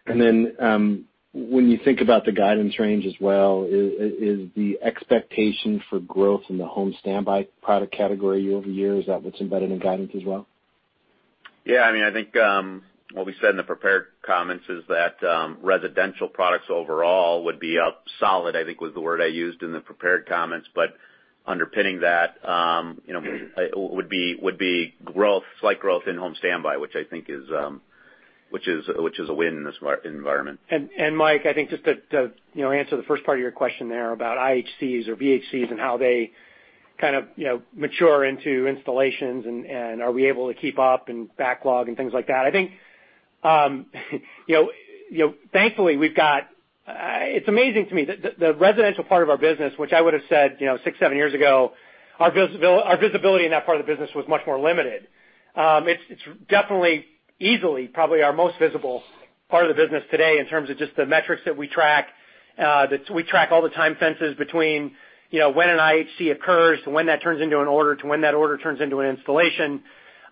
When you think about the guidance range as well, is the expectation for growth in the home standby product category year-over-year, is that what's embedded in guidance as well? Yeah. I think, what we said in the prepared comments is that residential products overall would be up solid, I think was the word I used in the prepared comments. Underpinning that would be slight growth in home standby, which is a win in this environment. Mike, I think just to answer the first part of your question there about IHCs or VHCs and how they mature into installations and are we able to keep up and backlog and things like that. I think, thankfully we've got. It's amazing to me, the residential part of our business, which I would have said six, seven years ago, our visibility in that part of the business was much more limited. It's definitely, easily, probably our most visible part of the business today in terms of just the metrics that we track. We track all the time fences between when an IHC occurs to when that turns into an order to when that order turns into an installation,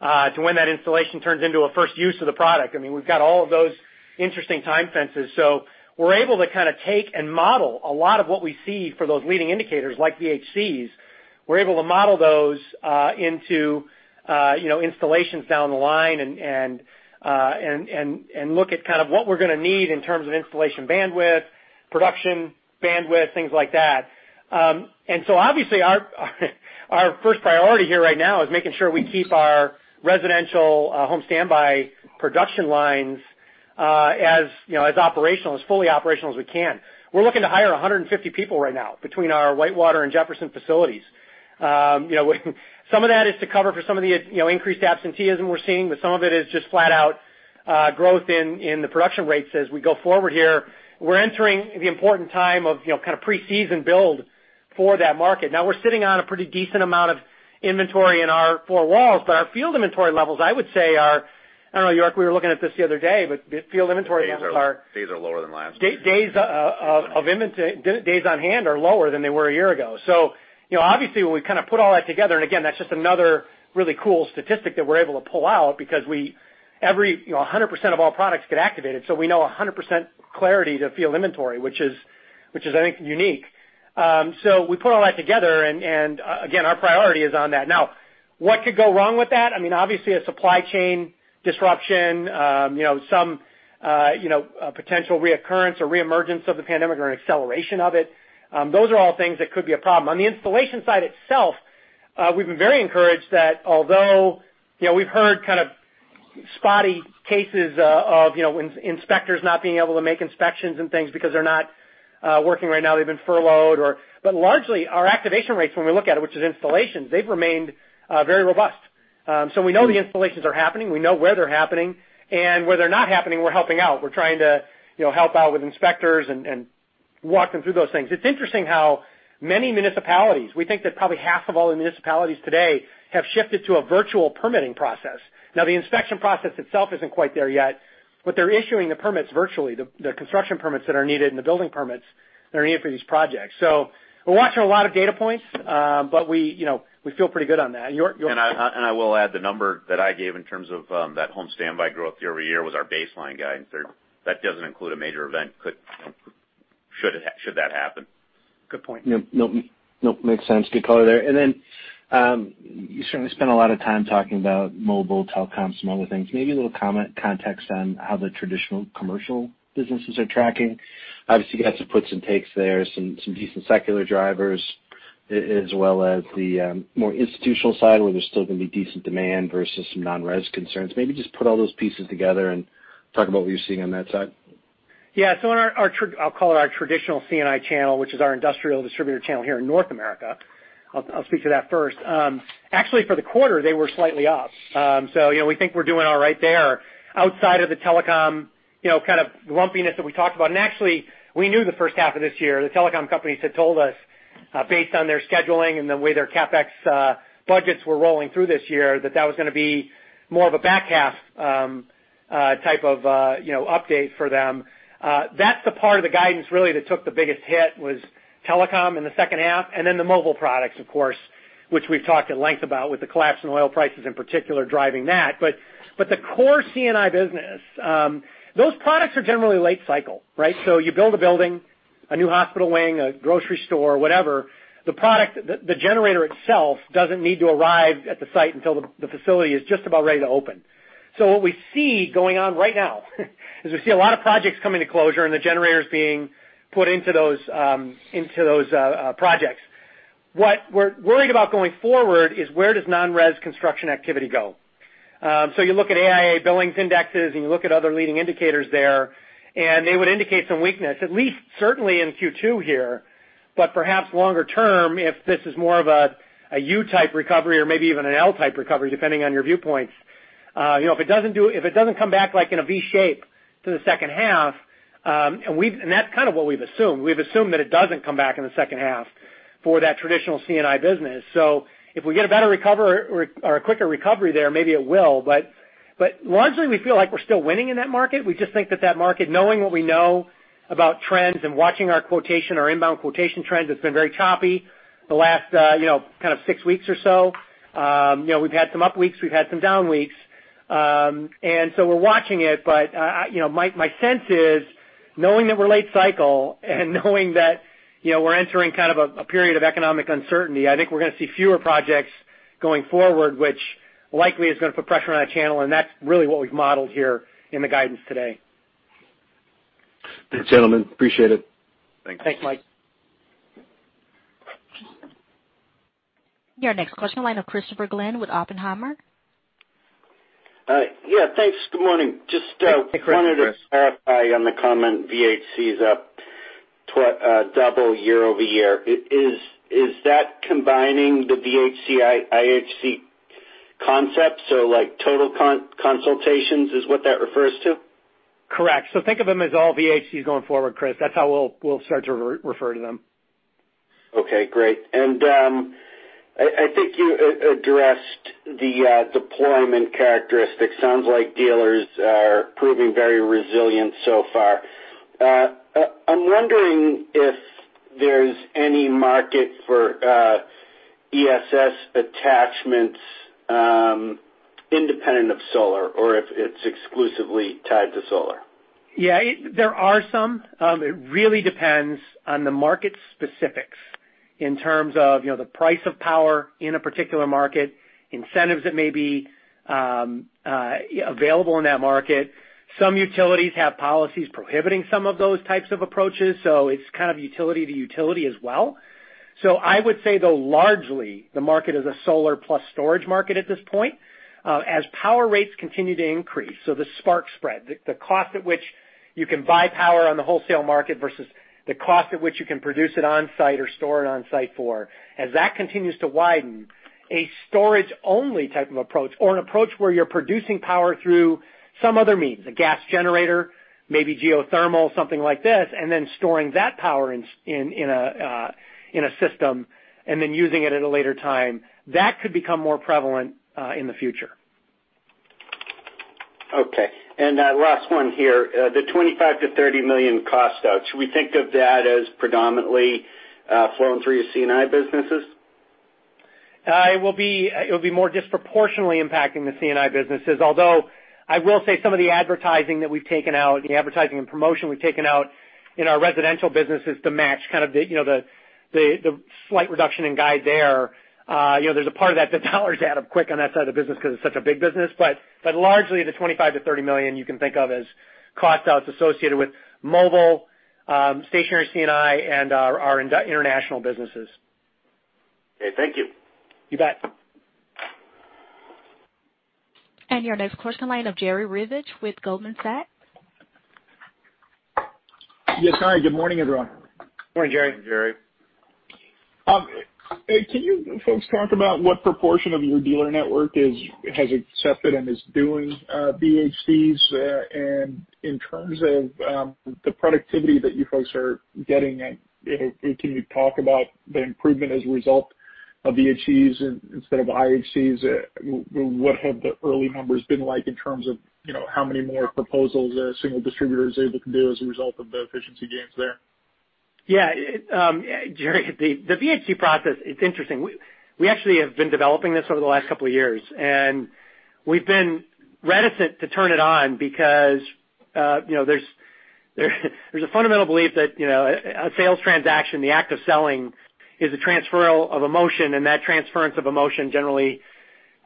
to when that installation turns into a first use of the product. We've got all of those interesting time fences. We're able to take and model a lot of what we see for those leading indicators like VHCs. We're able to model those into installations down the line and look at what we're going to need in terms of installation bandwidth, production bandwidth, things like that. Obviously our first priority here right now is making sure we keep our residential home standby production lines as operational, as fully operational as we can. We're looking to hire 150 people right now between our Whitewater and Jefferson facilities. Some of that is to cover for some of the increased absenteeism we're seeing, but some of it is just flat out growth in the production rates as we go forward here. We're entering the important time of pre-season build for that market. Now we're sitting on a pretty decent amount of inventory in our four walls, but our field inventory levels, I would say are, I don't know, York, we were looking at this the other day. Days are lower than last year. Days on hand are lower than they were a year ago. Obviously when we put all that together, and again, that's just another really cool statistic that we're able to pull out because 100% of all products get activated. We know 100% clarity to field inventory, which is I think unique. We put all that together and again, our priority is on that. Now, what could go wrong with that? Obviously a supply chain disruption, some potential reoccurrence or reemergence of the pandemic or an acceleration of it. Those are all things that could be a problem. On the installation side itself, we've been very encouraged that although we've heard spotty cases of inspectors not being able to make inspections and things because they're not working right now, they've been furloughed. Largely our activation rates when we look at it, which is installations, they've remained very robust. We know the installations are happening. We know where they're happening, where they're not happening, we're helping out. We're trying to help out with inspectors and walk them through those things. It's interesting how many municipalities, we think that probably half of all the municipalities today have shifted to a virtual permitting process. The inspection process itself isn't quite there yet, they're issuing the permits virtually. The construction permits that are needed and the building permits that are needed for these projects. We're watching a lot of data points, but we feel pretty good on that. York? I will add the number that I gave in terms of that home standby growth year-over-year was our baseline guidance there. That doesn't include a major event should that happen. Good point. Nope. Makes sense. Good color there. You certainly spent a lot of time talking about mobile products and other things. Maybe a little context on how the traditional commercial businesses are tracking. Obviously, you have some puts and takes there, some decent secular drivers, as well as the more institutional side where there's still going to be decent demand versus some non-res concerns. Maybe just put all those pieces together and talk about what you're seeing on that side. Yeah. I'll call it our traditional C&I channel, which is our industrial distributor channel here in North America. I'll speak to that first. Actually, for the quarter, they were slightly up. We think we're doing all right there. Outside of the telecom, kind of lumpiness that we talked about. Actually, we knew the first half of this year, the telecom companies had told us, based on their scheduling and the way their CapEx budgets were rolling through this year, that was going to be more of a back half type of update for them. That's the part of the guidance really that took the biggest hit was telecom in the second half, and then the mobile products, of course, which we've talked at length about with the collapse in oil prices in particular driving that. The core C&I business, those products are generally late cycle, right? You build a building, a new hospital wing, a grocery store, whatever, the generator itself doesn't need to arrive at the site until the facility is just about ready to open. What we see going on right now is we see a lot of projects coming to closure and the generators being put into those projects. What we're worried about going forward is where does non-res construction activity go. You look at AIA billings indexes, and you look at other leading indicators there, and they would indicate some weakness, at least certainly in Q2 here. Perhaps longer term, if this is more of a U type recovery or maybe even an L type recovery, depending on your viewpoints. If it doesn't come back like in a V shape to the second half, and that's kind of what we've assumed, we've assumed that it doesn't come back in the second half for that traditional C&I business. If we get a better recovery or a quicker recovery there, maybe it will. Largely, we feel like we're still winning in that market. We just think that that market, knowing what we know about trends and watching our quotation, our inbound quotation trends, it's been very choppy the last kind of six weeks or so. We've had some up weeks, we've had some down weeks. We're watching it. My sense is knowing that we're late cycle and knowing that we're entering kind of a period of economic uncertainty, I think we're going to see fewer projects going forward, which likely is going to put pressure on that channel, and that's really what we've modeled here in the guidance today. Thanks, gentlemen. Appreciate it. Thanks, Mike. Your next question, line of Christopher Glynn with Oppenheimer. Yeah, thanks. Good morning. Hey, Chris. wanted to clarify on the comment VHC is up double year-over-year. Is that combining the VHC IHC concepts? Like total consultations is what that refers to? Correct. Think of them as all VHCs going forward, Chris. That's how we'll start to refer to them. Okay, great. I think you addressed the deployment characteristics. Sounds like dealers are proving very resilient so far. I'm wondering if there's any market for ESS attachments independent of solar, or if it's exclusively tied to solar. There are some. It really depends on the market specifics in terms of the price of power in a particular market, incentives that may be available in that market. Some utilities have policies prohibiting some of those types of approaches, so it's kind of utility to utility as well. I would say, though, largely the market is a solar plus storage market at this point. As power rates continue to increase, so the spark spread, the cost at which you can buy power on the wholesale market versus the cost at which you can produce it on-site or store it on-site for, as that continues to widen, a storage-only type of approach or an approach where you're producing power through some other means, a gas generator, maybe geothermal, something like this, and then storing that power in a system and then using it at a later time, that could become more prevalent in the future. Okay. Last one here. The $25 million-$30 million cost out, should we think of that as predominantly flowing through your C&I businesses? It will be more disproportionately impacting the C&I businesses, I will say some of the advertising that we've taken out, the advertising and promotion we've taken out in our residential business is to match kind of the slight reduction in guide there. There's a part of that the dollars add up quick on that side of the business because it's such a big business. Largely, the $25 million-$30 million you can think of as cost outs associated with mobile, stationary C&I, and our international businesses. Okay, thank you. You bet. Your next question, line of Jerry Revich with Goldman Sachs. Yes, hi, good morning, everyone. Morning, Jerry. Morning, Jerry. Can you folks talk about what proportion of your dealer network has accepted and is doing VHCs? In terms of the productivity that you folks are getting, can you talk about the improvement as a result of VHCs instead of IHCs? What have the early numbers been like in terms of how many more proposals a single distributor is able to do as a result of the efficiency gains there? Yeah. Jerry, the VHC process, it's interesting. We actually have been developing this over the last couple of years. We've been reticent to turn it on because There's a fundamental belief that a sales transaction, the act of selling, is a transferal of emotion. That transference of emotion generally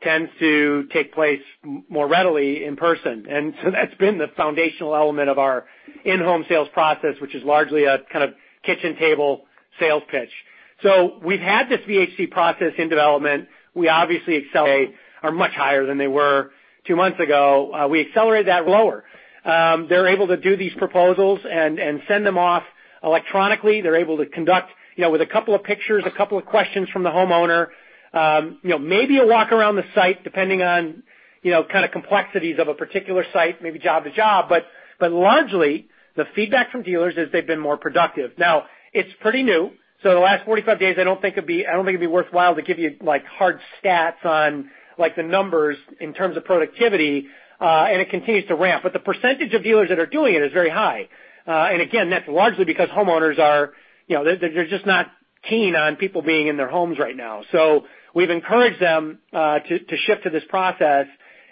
tends to take place more readily in person. That's been the foundational element of our in-home sales process, which is largely a kind of kitchen table sales pitch. We've had this VHC process in development. We obviously are much higher than they were two months ago. We accelerated that lower. They're able to do these proposals and send them off electronically. They're able to conduct with a couple of pictures, a couple of questions from the homeowner, maybe a walk around the site, depending on kind of complexities of a particular site, maybe job to job. Largely, the feedback from dealers is they've been more productive. Now, it's pretty new, so the last 45 days, I don't think it'd be worthwhile to give you hard stats on the numbers in terms of productivity, and it continues to ramp. The percentage of dealers that are doing it is very high. Again, that's largely because homeowners are just not keen on people being in their homes right now. We've encouraged them to shift to this process,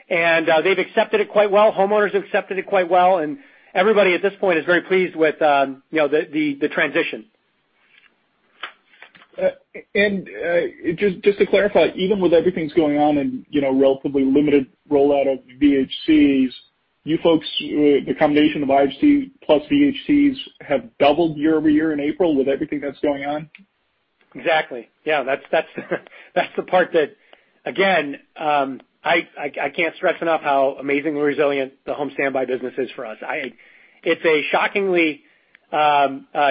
and they've accepted it quite well. Homeowners have accepted it quite well, and everybody at this point is very pleased with the transition. Just to clarify, even with everything that's going on and relatively limited rollout of VHCs, you folks, the combination of IHC plus VHCs, have doubled year-over-year in April with everything that's going on? Exactly. Yeah. That's the part that, again, I can't stress enough how amazingly resilient the home standby business is for us. It's a shockingly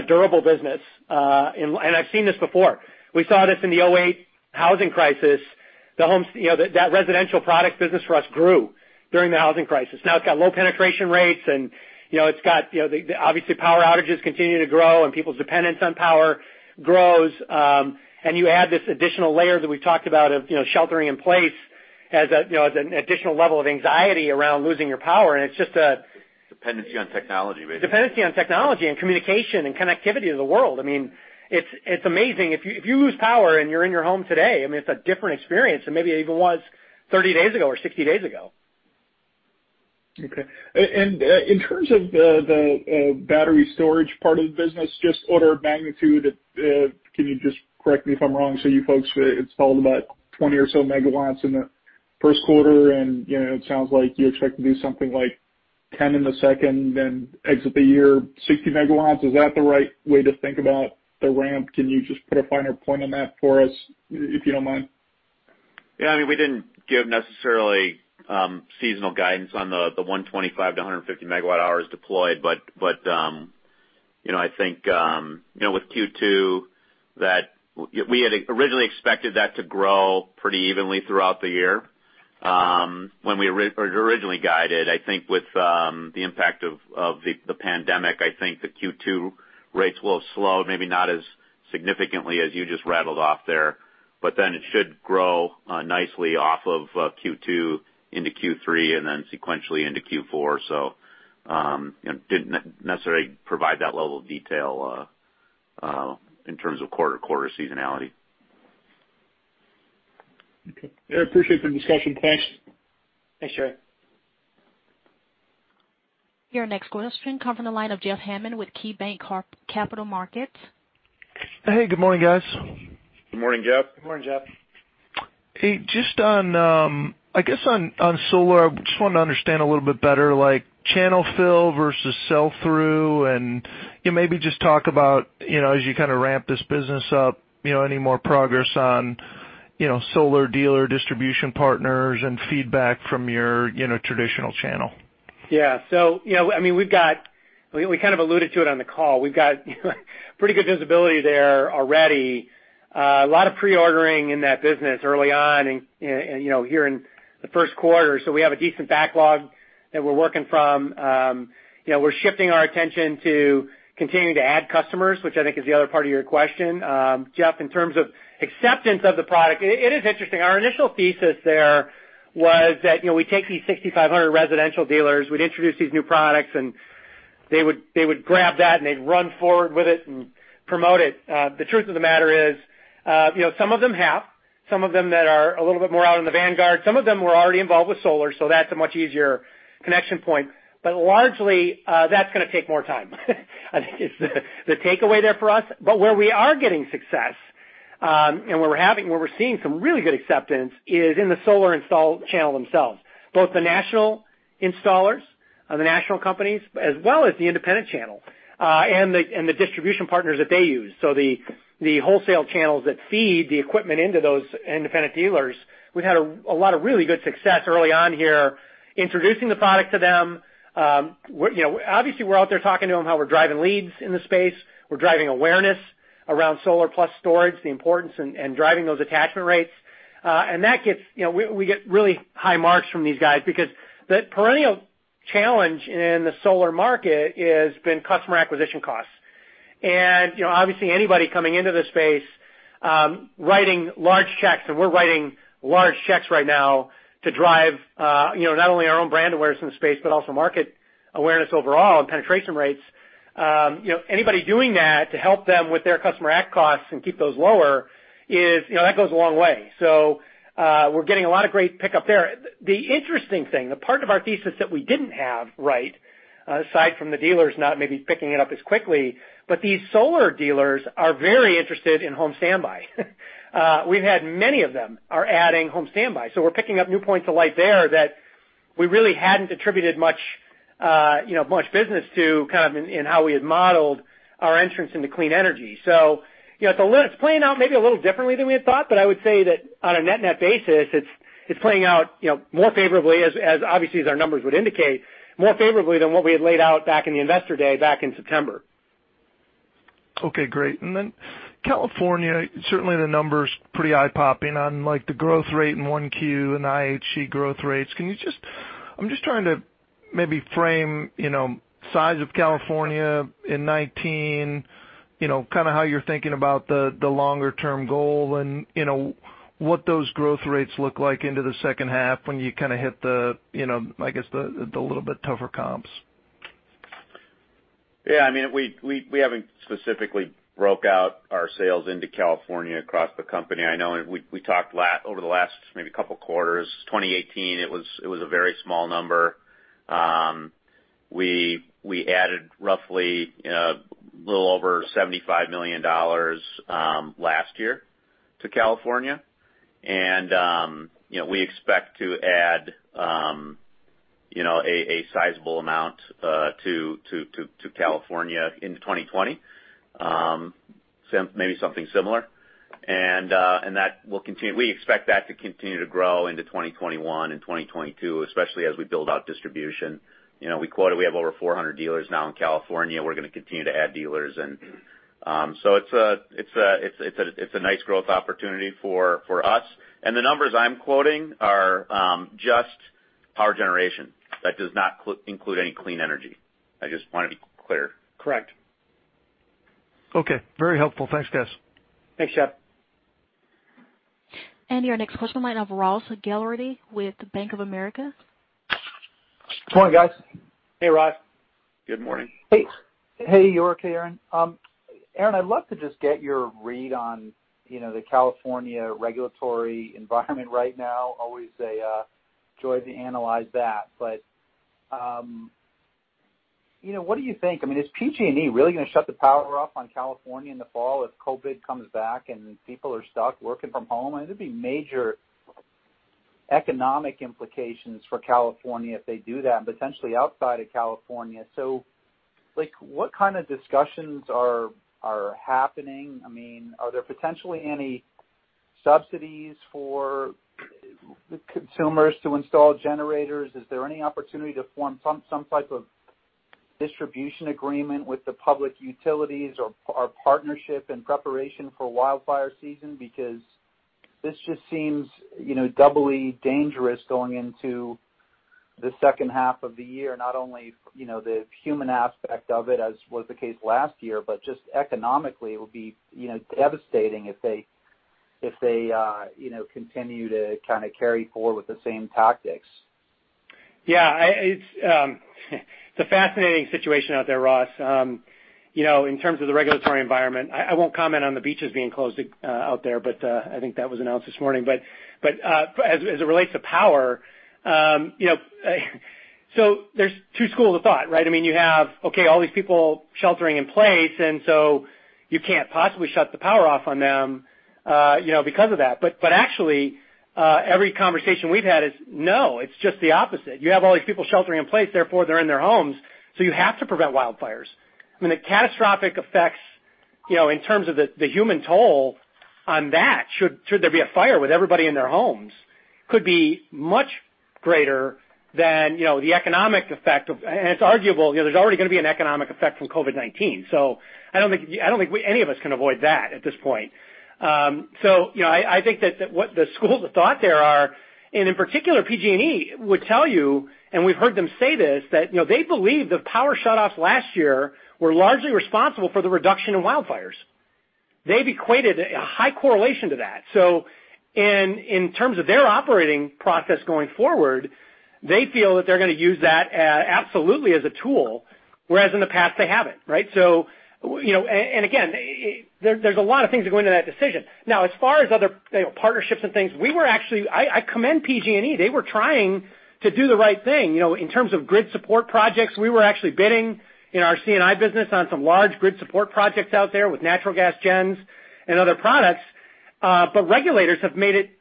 durable business, and I've seen this before. We saw this in the 2008 housing crisis. That residential products business for us grew during the housing crisis. Now it's got low penetration rates and obviously power outages continue to grow and people's dependence on power grows. You add this additional layer that we've talked about of sheltering in place as an additional level of anxiety around losing your power. Dependency on technology, basically. Dependency on technology and communication and connectivity to the world. It's amazing. If you lose power and you're in your home today, it's a different experience than maybe it even was 30 days ago or 60 days ago. In terms of the battery storage part of the business, just order of magnitude, can you just correct me if I'm wrong, so you folks installed about 20 or so megawatts in the first quarter, and it sounds like you expect to do something like 10 in the second, then exit the year 60 megawatts. Is that the right way to think about the ramp? Can you just put a finer point on that for us, if you don't mind? Yeah. We didn't give necessarily seasonal guidance on the 125 to 150 megawatt hours deployed. I think with Q2, we had originally expected that to grow pretty evenly throughout the year. When we originally guided, I think with the impact of the pandemic, I think the Q2 rates will have slowed, maybe not as significantly as you just rattled off there. It should grow nicely off of Q2 into Q3 and then sequentially into Q4. Didn't necessarily provide that level of detail in terms of quarter to quarter seasonality. Okay. I appreciate the discussion. Thanks. Thanks, Jerry. Your next question come from the line of Jeff Hammond with KeyBanc Capital Markets. Hey, good morning, guys. Good morning, Jeff. Good morning, Jeff. Hey, I guess on solar, I just wanted to understand a little bit better, like channel fill versus sell-through, and maybe just talk about as you kind of ramp this business up, any more progress on solar dealer distribution partners and feedback from your traditional channel. Yeah. We kind of alluded to it on the call. We've got pretty good visibility there already. A lot of pre-ordering in that business early on and here in the first quarter. We have a decent backlog that we're working from. We're shifting our attention to continuing to add customers, which I think is the other part of your question. Jeff, in terms of acceptance of the product, it is interesting. Our initial thesis there was that we take these 6,500 residential dealers, we'd introduce these new products, and they would grab that, and they'd run forward with it and promote it. The truth of the matter is some of them have. Some of them that are a little bit more out in the vanguard. Some of them were already involved with solar, so that's a much easier connection point. Largely, that's going to take more time. I think it's the takeaway there for us. Where we are getting success, and where we're seeing some really good acceptance is in the solar install channel themselves. Both the national installers, the national companies, as well as the independent channel, and the distribution partners that they use. The wholesale channels that feed the equipment into those independent dealers. We've had a lot of really good success early on here introducing the product to them. Obviously, we're out there talking to them how we're driving leads in the space. We're driving awareness around solar plus storage, the importance, and driving those attachment rates. We get really high marks from these guys because the perennial challenge in the solar market has been customer acquisition costs. Obviously, anybody coming into the space writing large checks, and we're writing large checks right now to drive not only our own brand awareness in the space, but also market awareness overall and penetration rates. Anybody doing that to help them with their customer acc costs and keep those lower, that goes a long way. We're getting a lot of great pickup there. The interesting thing, the part of our thesis that we didn't have right, aside from the dealers not maybe picking it up as quickly, but these solar dealers are very interested in home standby. We've had many of them are adding home standby. We're picking up new points of light there that we really hadn't attributed much business to in how we had modeled our entrance into clean energy. It's playing out maybe a little differently than we had thought, but I would say that on a net-net basis, it's playing out more favorably, obviously, as our numbers would indicate, more favorably than what we had laid out back in the investor day back in September. Okay, great. California, certainly the numbers, pretty eye-popping on the growth rate in 1Q and IHC growth rates. I'm just trying to maybe frame size of California in 2019, kind of how you're thinking about the longer-term goal and what those growth rates look like into the second half when you hit the, I guess the little bit tougher comps. Yeah, we haven't specifically broke out our sales into California across the company. I know we talked over the last maybe couple quarters. 2018, it was a very small number. We added roughly a little over $75 million last year to California. We expect to add a sizable amount to California into 2020, maybe something similar. We expect that to continue to grow into 2021 and 2022, especially as we build out distribution. We quoted we have over 400 dealers now in California. We're going to continue to add dealers. So it's a nice growth opportunity for us. The numbers I'm quoting are just power generation. That does not include any clean energy. I just wanted to be clear. Correct. Okay, very helpful. Thanks, guys. Thanks, Jeff. Your next question line of Ross Gilardi with Bank of America. Good morning, guys. Hey, Ross. Good morning. Hey. Hey, York. Hey, Aaron. Aaron, I'd love to just get your read on the California regulatory environment right now. Always a joy to analyze that. What do you think? Is PG&E really going to shut the power off on California in the fall if COVID comes back and people are stuck working from home? It'd be major economic implications for California if they do that, and potentially outside of California. What kind of discussions are happening? Are there potentially any subsidies for consumers to install generators? Is there any opportunity to form some type of distribution agreement with the public utilities or partnership in preparation for wildfire season? This just seems doubly dangerous going into the second half of the year. Not only the human aspect of it, as was the case last year, but just economically, it would be devastating if they continue to carry forward with the same tactics. Yeah. It's a fascinating situation out there, Ross. In terms of the regulatory environment, I won't comment on the beaches being closed out there, but I think that was announced this morning. Actually, every conversation we've had is, no, it's just the opposite. You have all these people sheltering in place, therefore they're in their homes, so you have to prevent wildfires. The catastrophic effects in terms of the human toll on that should there be a fire with everybody in their homes could be much greater than the economic effect. It's arguable, there's already going to be an economic effect from COVID-19. I don't think any of us can avoid that at this point. I think that what the school of thought there are, and in particular, PG&E would tell you, and we've heard them say this, that they believe the power shutoffs last year were largely responsible for the reduction in wildfires. They equated a high correlation to that. In terms of their operating process going forward, they feel that they're going to use that absolutely as a tool, whereas in the past, they haven't, right? Again, there's a lot of things that go into that decision. Now, as far as other partnerships and things, I commend PG&E. They were trying to do the right thing. In terms of grid support projects, we were actually bidding in our C&I business on some large grid support projects out there with natural gas gens and other products. Regulators have made it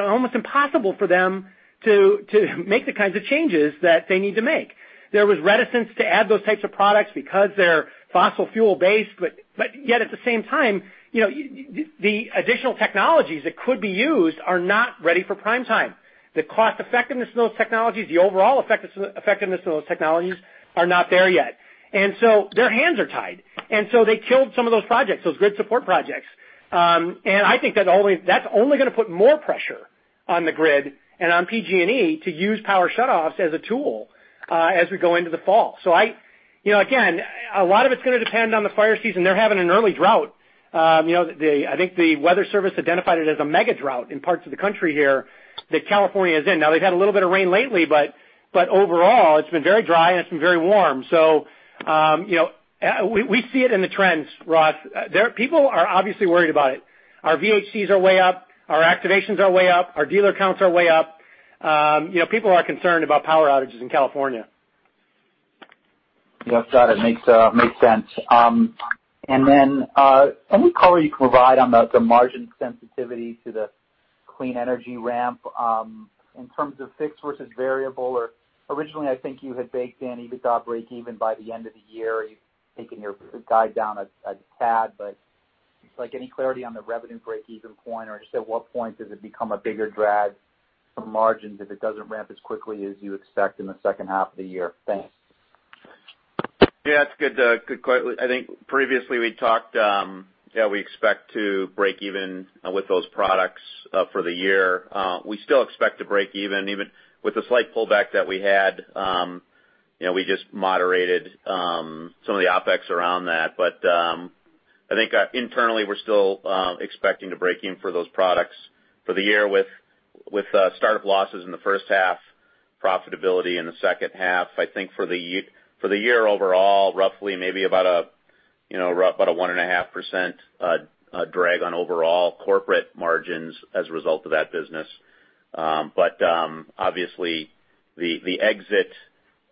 almost impossible for them to make the kinds of changes that they need to make. There was reticence to add those types of products because they're fossil fuel-based, but yet at the same time, the additional technologies that could be used are not ready for prime time. The cost-effectiveness of those technologies, the overall effectiveness of those technologies are not there yet. Their hands are tied. They killed some of those projects, those grid support projects. I think that's only going to put more pressure on the grid and on PG&E to use power shutoffs as a tool as we go into the fall. Again, a lot of it's going to depend on the fire season. They're having an early drought. I think the weather service identified it as a mega drought in parts of the country here that California is in. Now, they've had a little bit of rain lately, but overall, it's been very dry, and it's been very warm. We see it in the trends, Ross. People are obviously worried about it. Our VHCs are way up, our activations are way up, our dealer counts are way up. People are concerned about power outages in California. Yes, got it. Makes sense. Any color you can provide on the margin sensitivity to the clean energy ramp, in terms of fixed versus variable? Originally, I think you had baked in EBITDA breakeven by the end of the year. You've taken your guide down a tad, but any clarity on the revenue breakeven point, or just at what point does it become a bigger drag for margins if it doesn't ramp as quickly as you expect in the second half of the year? Thanks. Yeah. That's a good question. I think previously we talked, yeah, we expect to break even with those products for the year. We still expect to break even with the slight pullback that we had. We just moderated some of the OpEx around that. I think internally, we're still expecting to break even for those products for the year with startup losses in the first half, profitability in the second half. I think for the year overall, roughly maybe about a 1.5% drag on overall corporate margins as a result of that business. Obviously the exit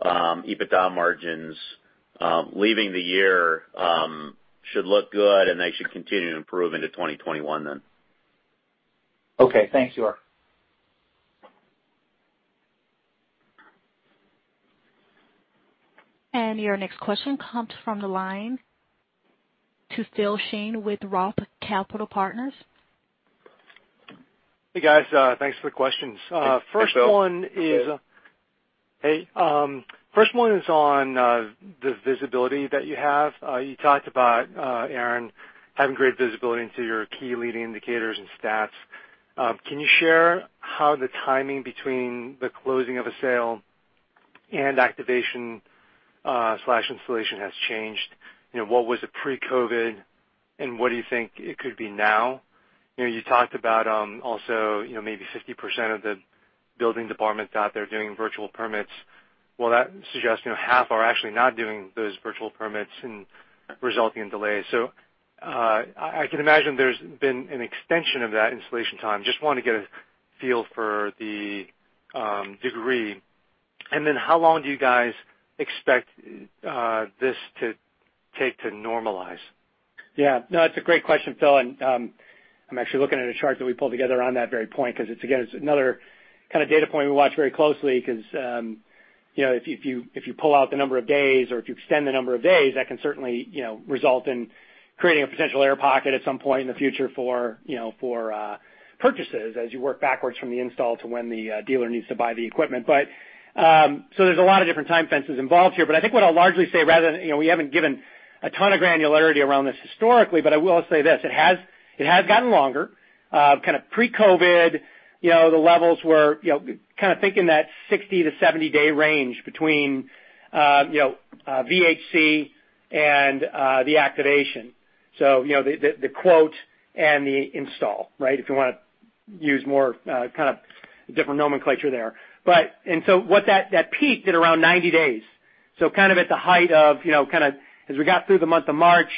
EBITDA margins leaving the year should look good, and they should continue to improve into 2021 then. Okay. Thanks, York. Your next question comes from the line to Phil Shen with ROTH Capital Partners. Hey, guys. Thanks for the questions. Hey, Phil. Hey. First one is on the visibility that you have. You talked about, Aaron, having great visibility into your key leading indicators and stats. Can you share how the timing between the closing of a sale and activation/installation has changed? What was it pre-COVID, and what do you think it could be now? You talked about also maybe 50% of the building departments out there doing virtual permits. Well, that suggests half are actually not doing those virtual permits and resulting in delays. I can imagine there's been an extension of that installation time. Just want to get a feel for the degree. How long do you guys expect this to take to normalize? Yeah. No, it's a great question, Phil, and I'm actually looking at a chart that we pulled together on that very point, because again, it's another kind of data point we watch very closely because if you pull out the number of days or if you extend the number of days, that can certainly result in creating a potential air pocket at some point in the future for purchases as you work backwards from the install to when the dealer needs to buy the equipment. There's a lot of different time fences involved here, but I think what I'll largely say, we haven't given a ton of granularity around this historically, but I will say this, it has gotten longer. Kind of pre-COVID, the levels were kind of think in that 60- to 70-day range between VHC and the activation. The quote and the install, right? If you want to use more kind of different nomenclature there. That peaked at around 90 days, so at the height of as we got through the month of March.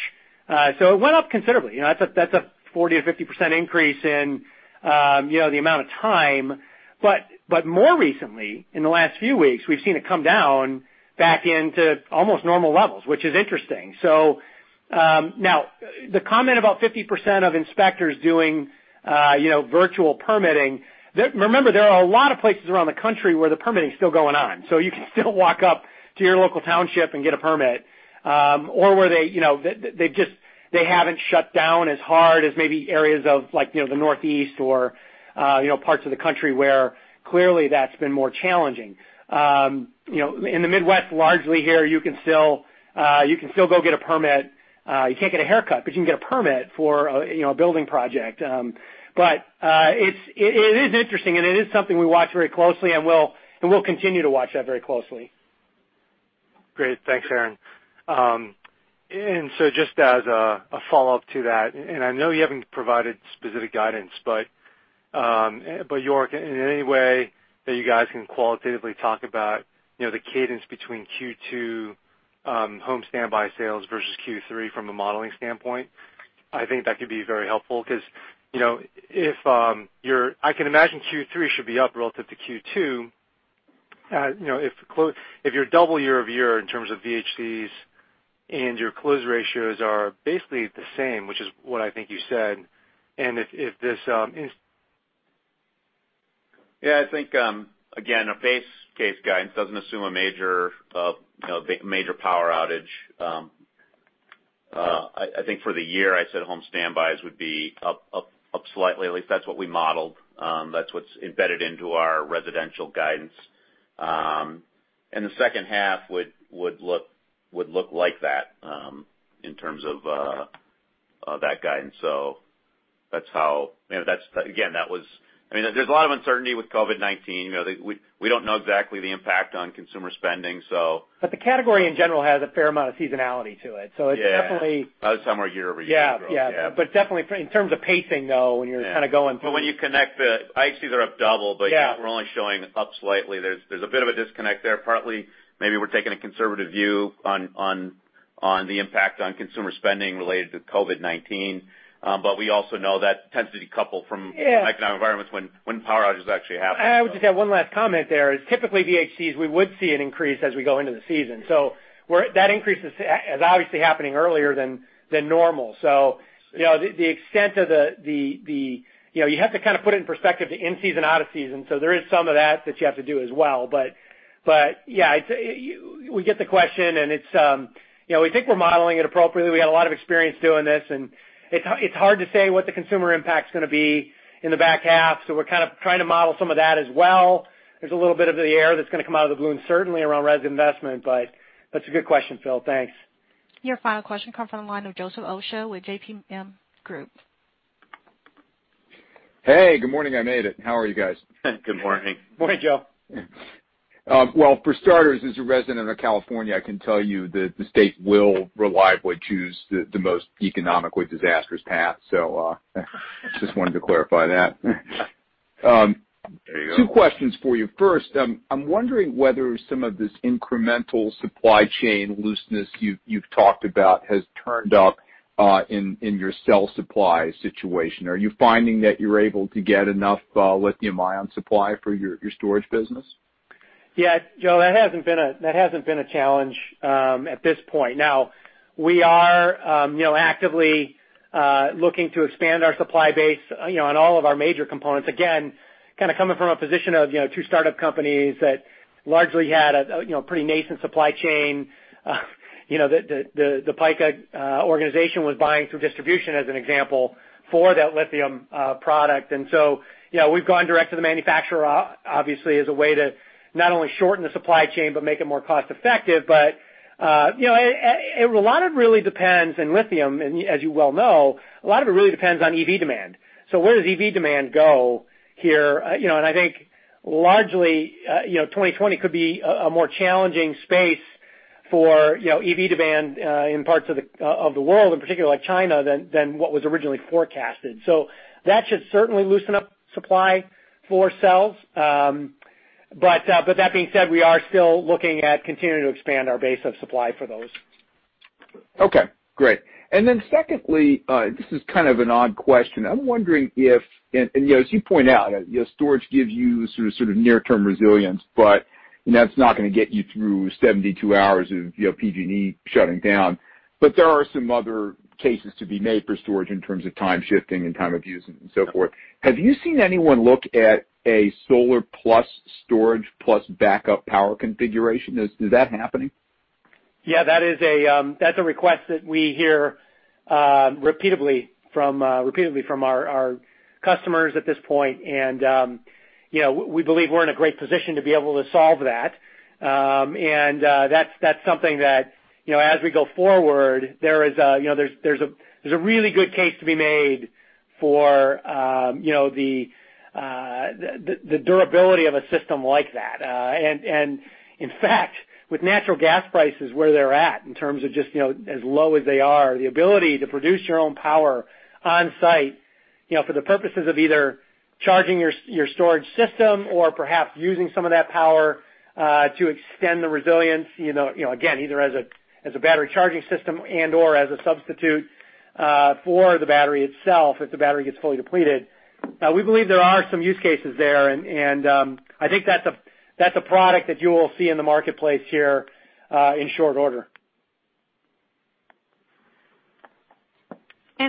It went up considerably. That's a 40%-50% increase in the amount of time. More recently, in the last few weeks, we've seen it come down back into almost normal levels, which is interesting. Now the comment about 50% of inspectors doing virtual permitting, remember, there are a lot of places around the country where the permitting is still going on. You can still walk up to your local township and get a permit, or where they haven't shut down as hard as maybe areas of the Northeast or parts of the country where clearly that's been more challenging. In the Midwest, largely here, you can still go get a permit. You can't get a haircut, but you can get a permit for a building project. It is interesting, and it is something we watch very closely, and we'll continue to watch that very closely. Great. Thanks, Aaron. Just as a follow-up to that, I know you haven't provided specific guidance, York, in any way that you guys can qualitatively talk about the cadence between Q2 home standby sales versus Q3 from a modeling standpoint? I think that could be very helpful because I can imagine Q3 should be up relative to Q2. If you're double year-over-year in terms of VHCs and your close ratios are basically the same, which is what I think you said. Yeah, I think again, a base case guidance doesn't assume a major power outage. I think for the year, I said home standbys would be up slightly. At least that's what we modeled. That's what's embedded into our residential guidance. The second half would look like that in terms of that guidance. Again, there's a lot of uncertainty with COVID-19. We don't know exactly the impact on consumer spending. The category in general has a fair amount of seasonality to it. Yeah. That was somewhere year-over-year growth. Yeah. Definitely in terms of pacing, though, when you're kind of going through. When you connect IHCs are up double, but yet we're only showing up slightly. There's a bit of a disconnect there. Partly, maybe we're taking a conservative view on the impact on consumer spending related to COVID-19. We also know that tends to decouple from economic environments when power outages actually happen, so. I would just add one last comment there, is typically DHCs, we would see an increase as we go into the season. That increase is obviously happening earlier than normal. You have to kind of put it in perspective to in season, out of season. There is some of that you have to do as well. Yeah. We get the question and we think we're modeling it appropriately. We got a lot of experience doing this, and it's hard to say what the consumer impact's going to be in the back half. We're kind of trying to model some of that as well. There's a little bit into the air that's going to come out of the blue, certainly around res investment, but that's a good question, Phil. Thanks. Your final question comes from the line of Joseph Osha with JMP Group. Hey, good morning. I made it. How are you guys? Good morning. Morning, Joe. Well, for starters, as a resident of California, I can tell you that the state will reliably choose the most economically disastrous path. Just wanted to clarify that. There you go. Two questions for you. First, I'm wondering whether some of this incremental supply chain looseness you've talked about has turned up in your cell supply situation. Are you finding that you're able to get enough lithium-ion supply for your storage business? Yeah, Joe, that hasn't been a challenge at this point. Now, we are actively looking to expand our supply base on all of our major components. Again, kind of coming from a position of two startup companies that largely had a pretty nascent supply chain. The Pika organization was buying through distribution, as an example, for that lithium product. We've gone direct to the manufacturer, obviously, as a way to not only shorten the supply chain, but make it more cost effective. A lot of it really depends in lithium, and as you well know, a lot of it really depends on EV demand. Where does EV demand go here? I think largely, 2020 could be a more challenging space for EV demand in parts of the world, in particular like China, than what was originally forecasted. That should certainly loosen up supply for cells. That being said, we are still looking at continuing to expand our base of supply for those. Okay, great. Then secondly, this is kind of an odd question. I'm wondering if, and as you point out, storage gives you sort of near-term resilience, but that's not going to get you through 72 hours of PG&E shutting down. There are some other cases to be made for storage in terms of time shifting and time of use and so forth. Have you seen anyone look at a solar plus storage plus backup power configuration? Is that happening? Yeah, that's a request that we hear repeatedly from our customers at this point. We believe we're in a great position to be able to solve that. That's something that, as we go forward, there's a really good case to be made for the durability of a system like that. In fact, with natural gas prices where they're at in terms of just as low as they are, the ability to produce your own power on site for the purposes of either charging your storage system or perhaps using some of that power to extend the resilience, again, either as a battery charging system and/or as a substitute for the battery itself if the battery gets fully depleted. We believe there are some use cases there, and I think that's a product that you will see in the marketplace here in short order.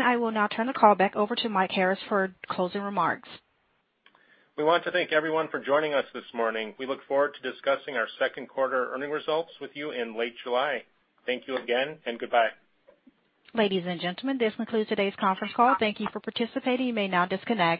I will now turn the call back over to Mike Harris for closing remarks. We want to thank everyone for joining us this morning. We look forward to discussing our second quarter earnings results with you in late July. Thank you again, and goodbye. Ladies and gentlemen, this concludes today's conference call. Thank you for participating. You may now disconnect.